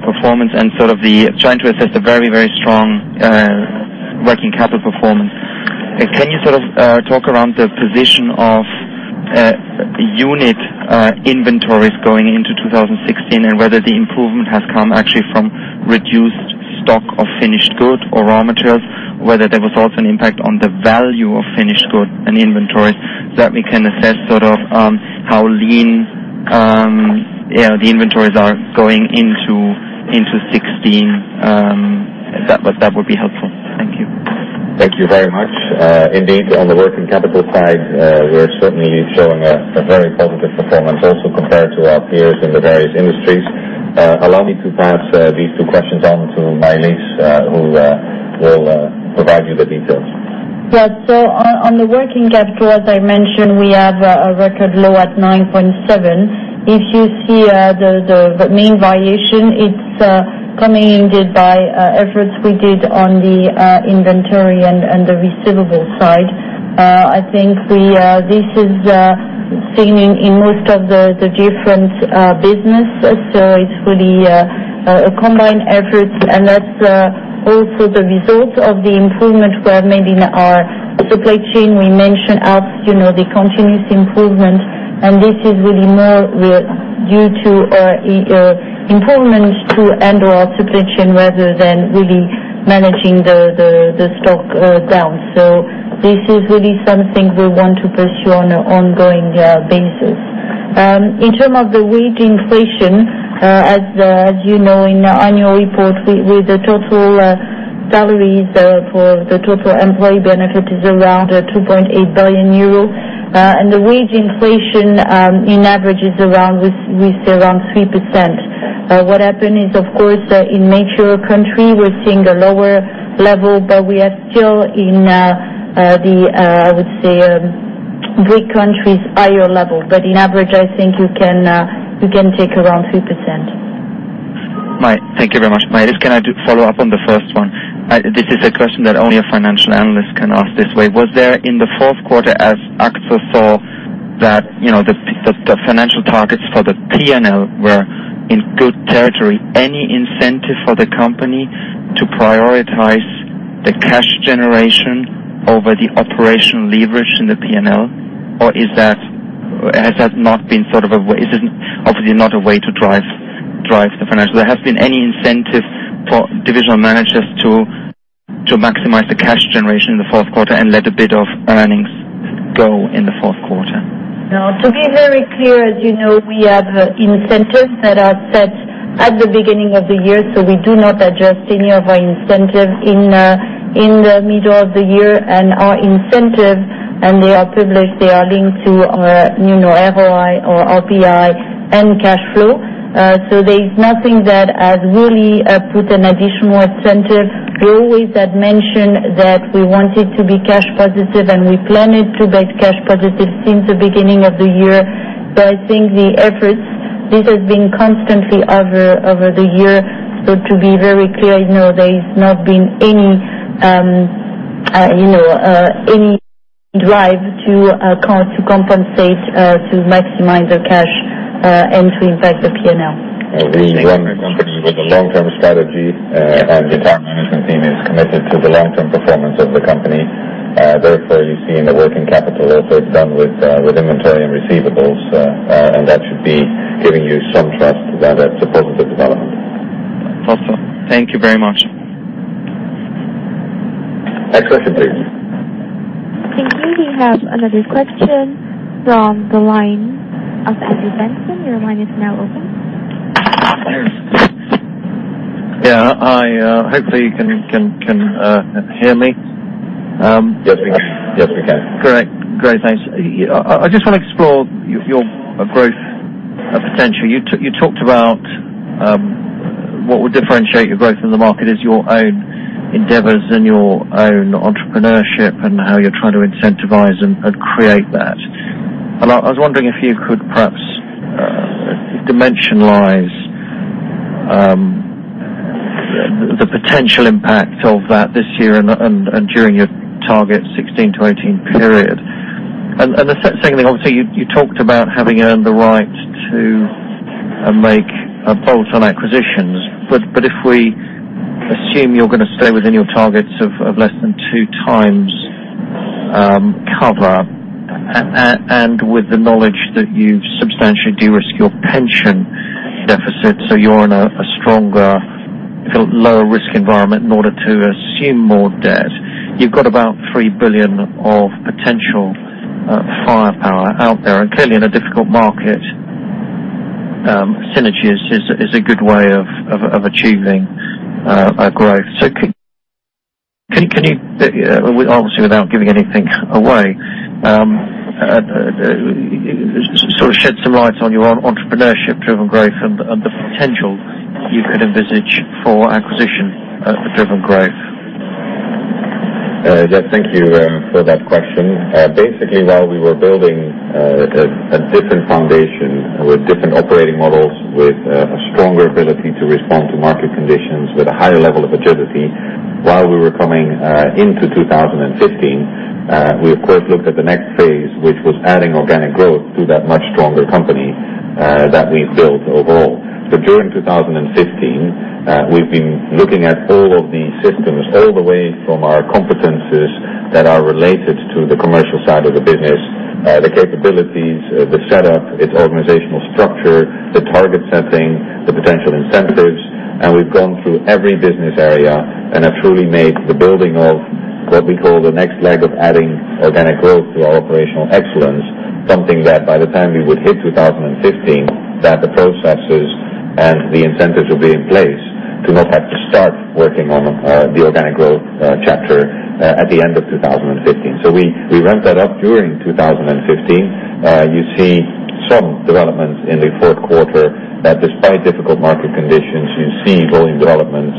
performance and trying to assess the very, very strong working capital performance. Can you talk around the position of unit inventories going into 2016, and whether the improvement has come actually from reduced stock of finished goods or raw materials? Whether there was also an impact on the value of finished goods and inventories. That we can assess how lean the inventories are going into 2016. That would be helpful. Thank you. Thank you very much. Indeed, on the working capital side, we're certainly showing a very positive performance also compared to our peers in the various industries. Allow me to pass these two questions on to Maëlys, who will provide you the details. Yes. On the working capital, as I mentioned, we have a record low at 9.7. If you see the main variation, it's coming by efforts we did on the inventory and the receivable side. I think this is seen in most of the different businesses. It's really a combined effort, and that's also the result of the improvement we have made in our supply chain. We mentioned the continuous improvement, and this is really more due to improvements to handle our supply chain rather than really managing the stock down. This is really something we want to pursue on an ongoing basis. In term of the wage inflation, as you know, in the annual report, with the total salaries for the total employee benefit is around 2.8 billion euro. The wage inflation in average is around 3%. What happened is, of course, in mature country, we're seeing a lower level, but we are still in the, I would say, three countries higher level. In average, I think you can take around 3%. Maëlys, thank you very much. Maëlys, if I can I do follow up on the first one? This is a question that only a financial analyst can ask this way. Was there, in the fourth quarter, as AkzoNobel saw that the financial targets for the P&L were in good territory, any incentive for the company to prioritize the cash generation over the operational leverage in the P&L? Is it obviously not a way to drive the financials? There has been any incentive for divisional managers to maximize the cash generation in the fourth quarter and let a bit of earnings go in the fourth quarter. No. To be very clear, as you know, we have incentives that are set at the beginning of the year, so we do not adjust any of our incentives in the middle of the year. Our incentives, and they are published, they are linked to our ROI and cash flow. There's nothing that has really put an additional incentive. We always had mentioned that we wanted to be cash positive, and we planned to be cash positive since the beginning of the year. I think the efforts, this has been constantly over the year. To be very clear, no, there's not been any drive to compensate, to maximize the cash, and to impact the P&L. We run the company with a long-term strategy, and the entire management team is committed to the long-term performance of the company. Therefore, you've seen the working capital also is done with inventory and receivables, and that should be giving you some trust that that's a positive development. Awesome. Thank you very much. Next question, please. Thank you. We have another question from the line of Andrew Benson. Your line is now open. Yeah. Hopefully, you can hear me. Yes, we can. Great. Thanks. I just want to explore your growth potential. You talked about what would differentiate your growth from the market is your own endeavors and your own entrepreneurship and how you're trying to incentivize and create that. I was wondering if you could perhaps dimensionalize the potential impact of that this year and during your target 2016 to 2018 period. The second thing, obviously, you talked about having earned the right to make a bolt-on acquisitions. If we assume you're going to stay within your targets of less than two times cover, and with the knowledge that you've substantially de-risked your pension deficit, so you're in a stronger, lower risk environment in order to assume more debt. You've got about 3 billion of potential firepower out there. Clearly in a difficult market, synergies is a good way of achieving growth. Can you, obviously without giving anything away, sort of shed some light on your entrepreneurship-driven growth and the potential you could envisage for acquisition-driven growth? Jeff, thank you for that question. Basically, while we were building a different foundation with different operating models, with a stronger ability to respond to market conditions, with a higher level of agility, while we were coming into 2015, we of course looked at the next phase, which was adding organic growth to that much stronger company that we built overall. During 2015, we've been looking at all of the systems all the way from our competencies that are related to the commercial side of the business, the capabilities, the setup, its organizational structure, the target setting, the potential incentives. We've gone through every business area and have truly made the building of what we call the next leg of adding organic growth to our operational excellence, something that by the time we would hit 2015, that the processes and the incentives will be in place to not have to start working on the organic growth chapter at the end of 2015. We ramp that up during 2015. You see some developments in the fourth quarter, that despite difficult market conditions, you see volume developments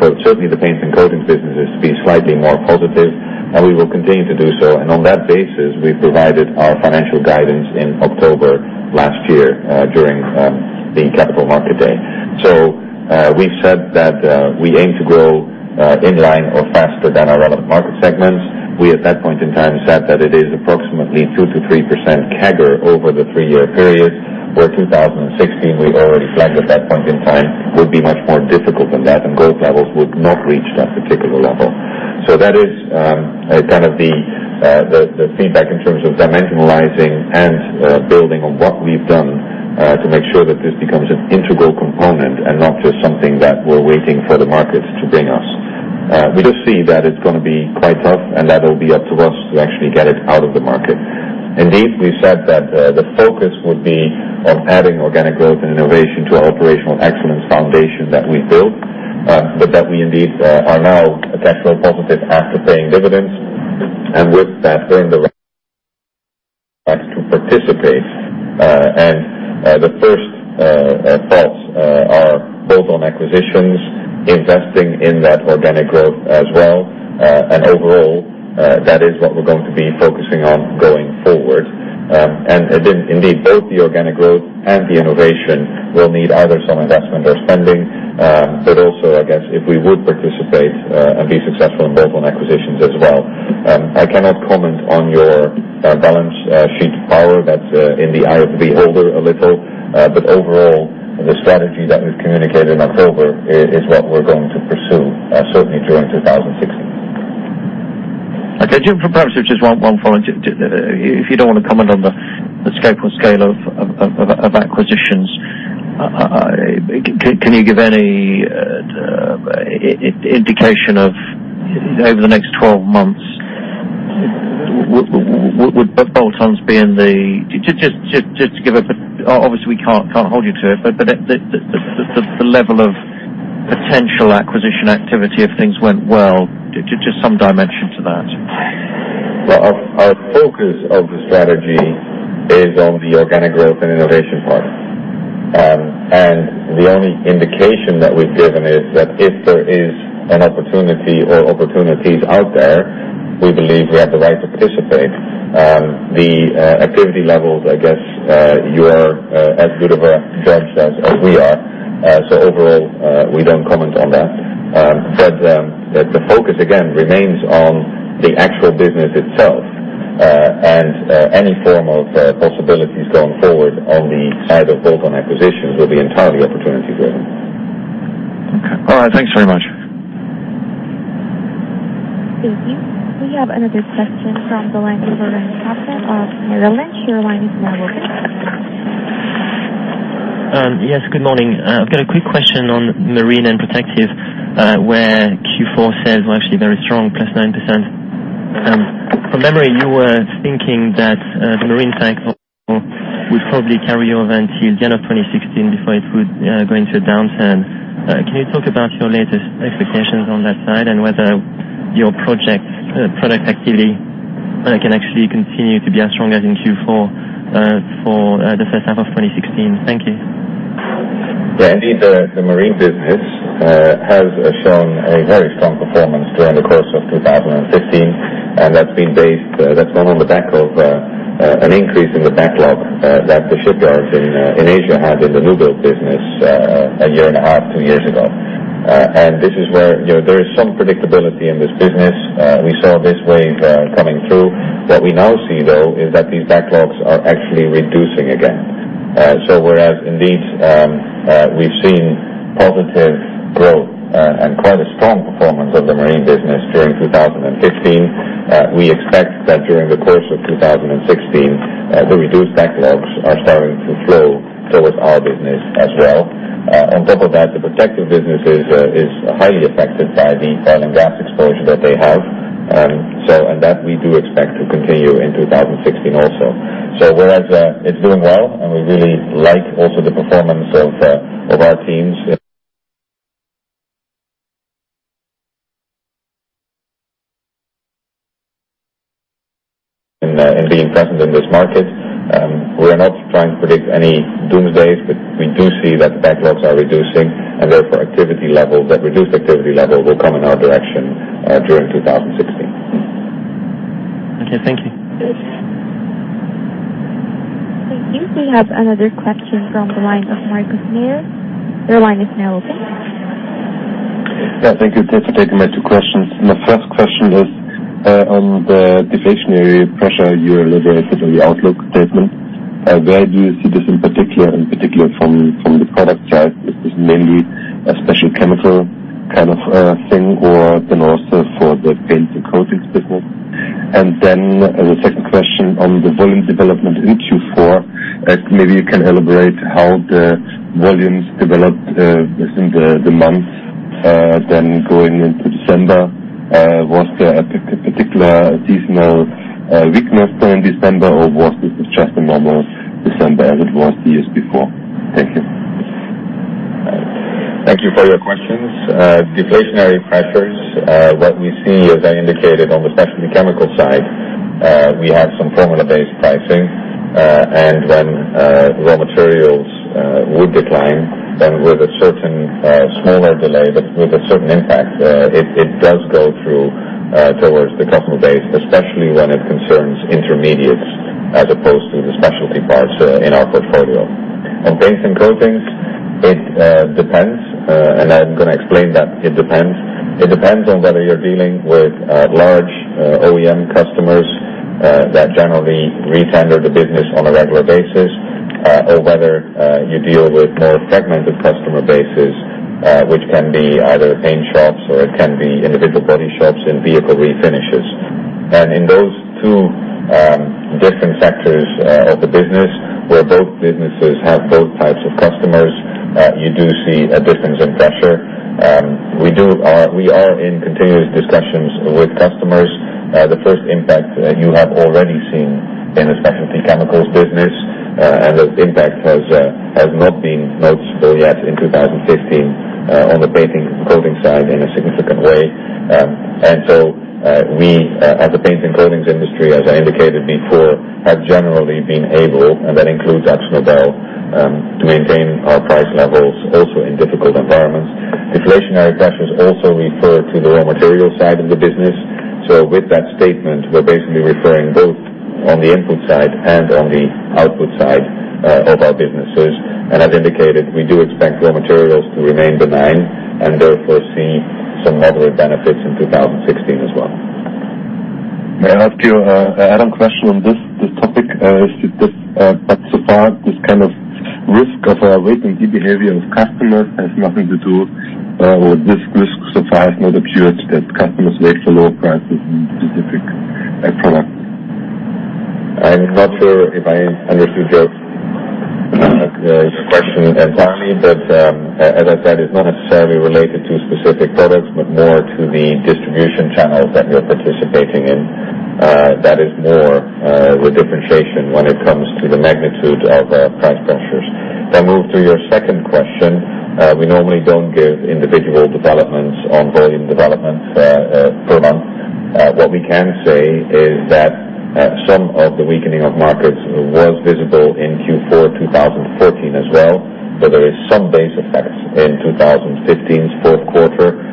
for certainly the paints and coatings businesses to be slightly more positive, and we will continue to do so. On that basis, we provided our financial guidance in October last year, during the Capital Markets Day. We said that we aim to grow in line or faster than our relevant market segments. We, at that point in time, said that it is approximately 2%-3% CAGR over the three-year period. Where 2016, we already flagged at that point in time, would be much more difficult than that, and growth levels would not reach that particular level. That is kind of the feedback in terms of dimensionalizing and building on what we've done to make sure that this becomes an integral component and not just something that we're waiting for the market to bring us. We do see that it's going to be quite tough, and that will be up to us to actually get it out of the market. Indeed, we said that the focus would be on adding organic growth and innovation to our operational excellence foundation that we built, but that we indeed are now a cash flow positive after paying dividends. With that earn the right to participate. The first thoughts are bolt-on acquisitions, investing in that organic growth as well. Overall, that is what we're going to be focusing on going forward. Indeed, both the organic growth and the innovation will need either some investment or spending, but also, I guess, if we would participate and be successful in bolt-on acquisitions as well. I cannot comment on your balance sheet power. That's in the eye of the beholder a little. Overall, the strategy that we've communicated in October is what we're going to pursue, certainly during 2016. Okay. Perhaps just one follow. If you don't want to comment on the scope or scale of acquisitions, can you give any indication of, over the next 12 months, just to give a, obviously, we can't hold you to it, but the level of potential acquisition activity if things went well. Just some dimension to that. Well, our focus of the strategy is on the organic growth and innovation part. The only indication that we've given is that if there is an opportunity or opportunities out there, we believe we have the right to participate. The activity levels, I guess, you're as good of a judge as we are. Overall, we don't comment on that. The focus again remains on the actual business itself. Any form of possibilities going forward on the side of bolt-on acquisitions will be entirely opportunity driven. Okay. All right. Thanks very much. Thank you. We have another question from the line of Barnaby Kenk of Berenberg. Your line is now open. Yes, good morning. I've got a quick question on marine and protective, where Q4 sales were actually very strong, plus 9%. From memory, you were thinking that the marine cycle would probably carry over until the end of 2016 before it would go into a downturn. Can you talk about your latest expectations on that side, and whether your product activity can actually continue to be as strong as in Q4 for the first half of 2016? Thank you. Yeah. Indeed, the marine business has shown a very strong performance during the course of 2015, that's been based on the back of an increase in the backlog that the shipyards in Asia had in the newbuild business a year and a half, two years ago. This is where there is some predictability in this business. We saw this wave coming through. What we now see, though, is that these backlogs are actually reducing again. Whereas indeed we've seen positive growth and quite a strong performance of the marine business during 2015, we expect that during the course of 2016, the reduced backlogs are starting to flow towards our business as well. On top of that, the protective business is highly affected by the oil and gas exposure that they have. That we do expect to continue in 2016 also. Whereas it's doing well, we really like also the performance of our teams in being present in this market, we're not trying to predict any doomsdays, we do see that backlogs are reducing and therefore activity level, that reduced activity level, will come in our direction during 2016. Okay, thank you. Thank you. We have another question from the line of Markus Mayer. Your line is now open. Yeah, thank you for taking my two questions. My first question is on the deflationary pressure you elaborated on the outlook statement. Where do you see this in particular from the product side? Is this mainly a special chemical kind of thing, or also for the paints and coatings business? The second question on the volume development in Q4, maybe you can elaborate how the volumes developed within the months going into December, was there a particular seasonal weakness there in December, or was this just a normal December as it was years before? Thank you. Thank you for your questions. Deflationary pressures, what we see, as I indicated on the Specialty Chemicals side, we have some formula-based pricing. When raw materials would decline, with a certain smaller delay, but with a certain impact, it does go through towards the customer base, especially when it concerns intermediates as opposed to the specialty parts in our portfolio. On paints and coatings, it depends. I'm going to explain that it depends. It depends on whether you're dealing with large OEM customers that generally re-tender the business on a regular basis, or whether you deal with more fragmented customer bases, which can be either paint shops or it can be individual body shops and vehicle refinishes. In those two different sectors of the business, where both businesses have both types of customers, you do see a difference in pressure. We are in continuous discussions with customers. The first impact you have already seen in the Specialty Chemicals business, the impact has not been noticeable yet in 2015 on the Paints and Coatings side in a significant way. We, as a Paints and Coatings industry, as I indicated before, have generally been able, and that includes AkzoNobel, to maintain our price levels also in difficult environments. Deflationary pressures also refer to the raw material side of the business. With that statement, we're basically referring both on the input side and on the output side of our businesses. As indicated, we do expect raw materials to remain benign, therefore see some moderate benefits in 2016 as well. May I ask you an add-on question on this topic? So far, this kind of risk of a wait-and-see behavior of customers has nothing to do, or this risk so far has not appeared that customers wait for lower prices in specific products. I'm not sure if I understood your question entirely, as I said, it's not necessarily related to specific products, more to the distribution channels that we are participating in. That is more the differentiation when it comes to the magnitude of price pressures. Move to your second question. We normally don't give individual developments on volume development per month. What we can say is that some of the weakening of markets was visible in Q4 2014 as well, so there is some base effects in 2015's fourth quarter.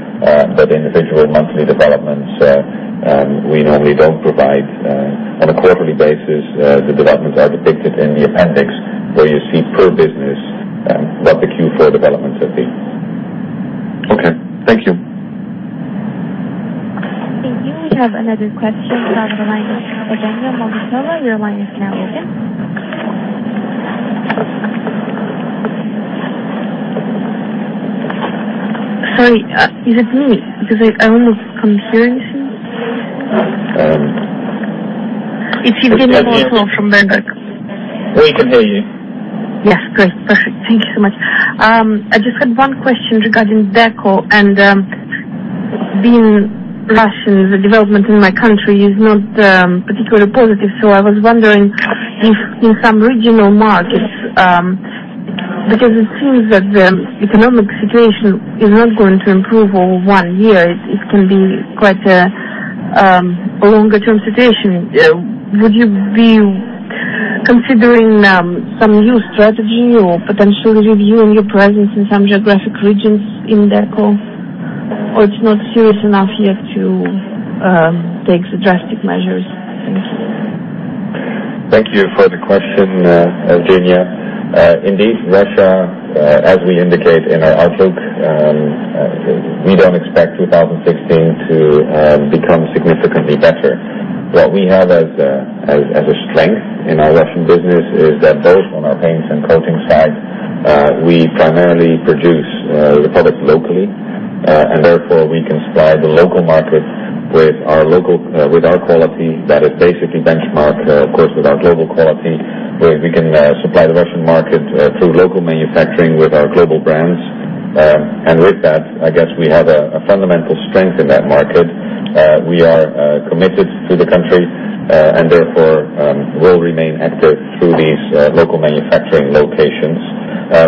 Individual monthly developments, we normally don't provide. On a quarterly basis, the developments are depicted in the appendix, where you see per business what the Q4 developments have been. Okay. Thank you. Thank you. We have another question from the line of Evgenia Molotova. Your line is now open. Sorry, is it me? Because I almost can't hear anything. It's Evgenia Molotova from Berenberg. We can hear you. Yes. Great. Perfect. Thank you so much. I just had one question regarding Deco and being Russian, the development in my country is not particularly positive. I was wondering if in some regional markets, because it seems that the economic situation is not going to improve over one year, it can be quite a longer-term situation. Would you be considering some new strategy or potentially reviewing your presence in some geographic regions in Deco? It is not serious enough yet to take the drastic measures? Thank you. Thank you for the question, Evgenia. Indeed, Russia, as we indicate in our outlook, we don't expect 2016 to become significantly better. What we have as a strength in our Russian business is that both on our paints and coatings side, we primarily produce the product locally. Therefore, we can supply the local market with our quality that is basically benchmarked, of course, with our global quality. We can supply the Russian market through local manufacturing with our global brands. With that, I guess we have a fundamental strength in that market. We are committed to the country, and therefore will remain active through these local manufacturing locations.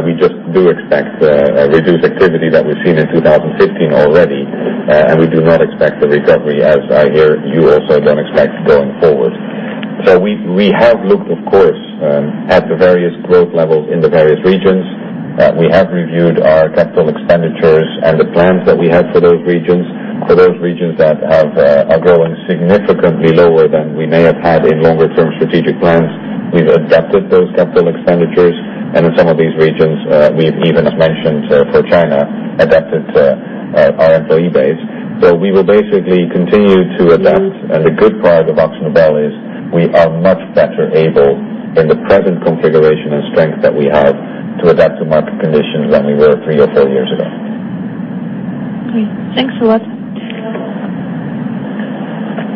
We just do expect a reduced activity that we've seen in 2015 already, and we do not expect a recovery, as I hear you also don't expect going forward. We have looked, of course, at the various growth levels in the various regions. We have reviewed our capital expenditures and the plans that we had for those regions. For those regions that are growing significantly lower than we may have had in longer term strategic plans, we've adapted those capital expenditures, and in some of these regions, we've even mentioned for China, adapted our employee base. We will basically continue to adapt. The good part of AkzoNobel is we are much better able in the present configuration and strength that we have to adapt to market conditions than we were three or four years ago. Okay. Thanks a lot.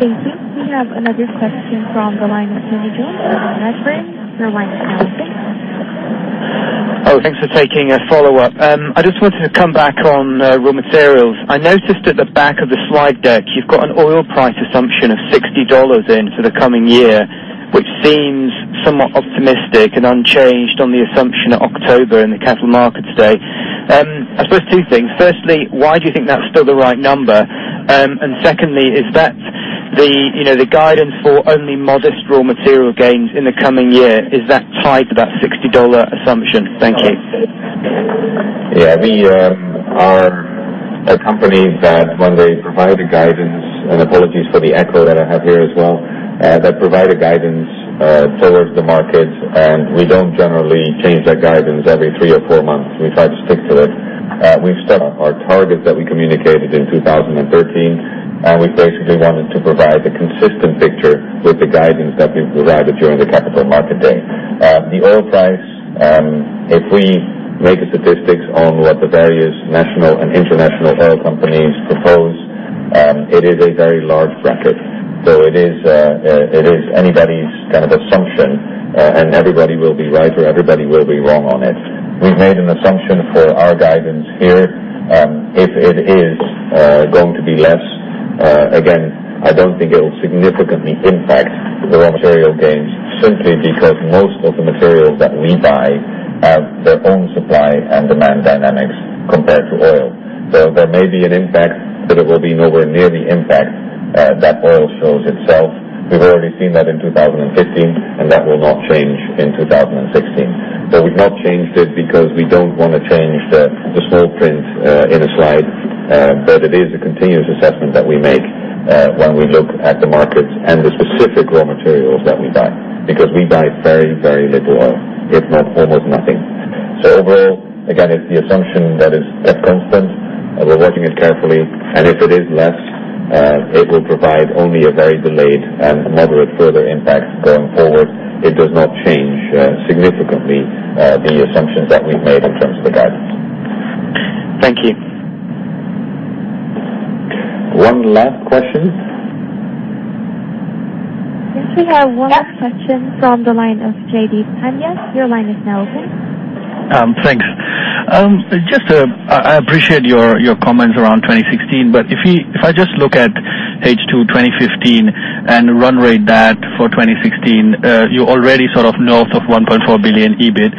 Thank you. We have another question from the line of Tony Jones with Redburn. Your line is now open. Oh, thanks for taking a follow-up. I just wanted to come back on raw materials. I noticed at the back of the slide deck, you've got an oil price assumption of EUR 60 in for the coming year, which seems somewhat optimistic and unchanged on the assumption at October in the Capital Markets Day. I suppose two things. Firstly, why do you think that's still the right number? Secondly, is that the guidance for only modest raw material gains in the coming year, is that tied to that EUR 60 assumption? Thank you. Yeah. We are a company that when we provide a guidance, and apologies for the echo that I have here as well, that provide a guidance towards the market, we don't generally change that guidance every three or four months. We try to stick to it. We've set our target that we communicated in 2013, we basically wanted to provide a consistent picture with the guidance that we provided during the Capital Markets Day. The oil price, if we make a statistics on what the various national and international oil companies propose, it is a very large bracket. It is anybody's assumption, and everybody will be right or everybody will be wrong on it. We've made an assumption for our guidance here. If it is going to be less, again, I don't think it will significantly impact the raw material gains simply because most of the materials that we buy have their own supply and demand dynamics compared to oil. There may be an impact, but it will be nowhere near the impact that oil shows itself. We've already seen that in 2015, that will not change in 2016. We've not changed it because we don't want to change the small print in a slide. It is a continuous assessment that we make when we look at the market and the specific raw materials that we buy, because we buy very, very little oil, if not almost nothing. Overall, again, it's the assumption that is kept constant. We're watching it carefully. If it is less, it will provide only a very delayed and moderate further impact going forward. It does not change significantly the assumptions that we've made in terms of the guidance. Thank you. One last question. Yes, we have one last question from the line of JD Pandya. Your line is now open. Thanks. I appreciate your comments around 2016, if I just look at H2 2015 and run rate that for 2016, you're already sort of north of 1.4 billion EBIT.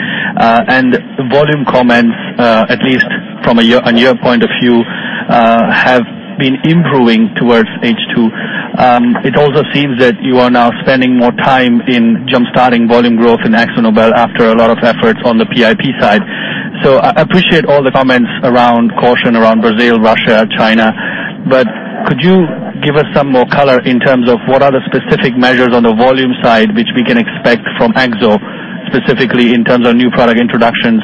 Volume comments, at least from a year-over-year point of view, have been improving towards H2. It also seems that you are now spending more time in jumpstarting volume growth in AkzoNobel after a lot of efforts on the PIP side. I appreciate all the comments around caution around Brazil, Russia, China, but could you give us some more color in terms of what are the specific measures on the volume side which we can expect from Akzo, specifically in terms of new product introductions?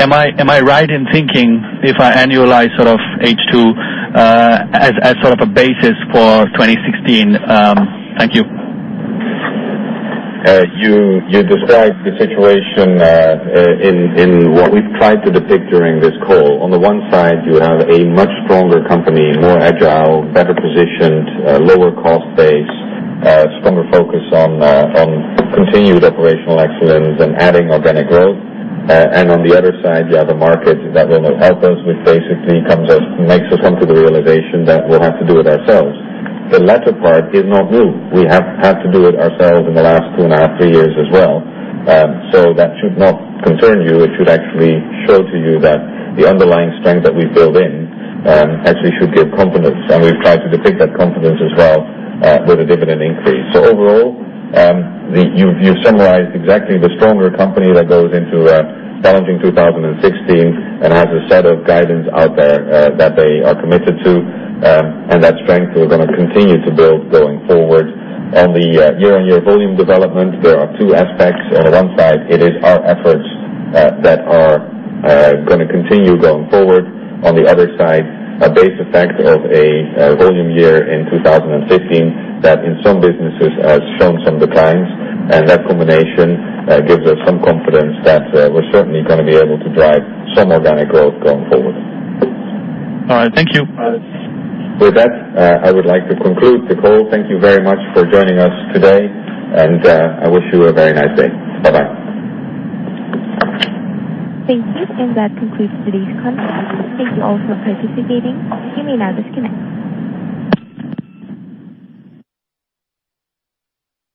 Am I right in thinking if I annualize H2 as sort of a basis for 2016? Thank you. You described the situation in what we've tried to depict during this call. On the one side, you have a much stronger company, more agile, better positioned, lower cost base, a stronger focus on continued operational excellence and adding organic growth. On the other side, you have a market that will not help us, which basically makes us come to the realization that we'll have to do it ourselves. The latter part is not new. We have had to do it ourselves in the last two and a half, three years as well. That should not concern you. It should actually show to you that the underlying strength that we've built in actually should give confidence. We've tried to depict that confidence as well with a dividend increase. Overall, you've summarized exactly the stronger company that goes into a challenging 2016 and has a set of guidance out there that they are committed to, and that strength we're going to continue to build going forward. On the year-over-year volume development, there are two aspects. On one side, it is our efforts that are going to continue going forward. On the other side, a base effect of a volume year in 2015 that in some businesses has shown some declines. That combination gives us some confidence that we're certainly going to be able to drive some organic growth going forward. All right. Thank you. With that, I would like to conclude the call. Thank you very much for joining us today. I wish you a very nice day. Bye-bye. Thank you. That concludes today's call. Thank you all for participating. You may now disconnect.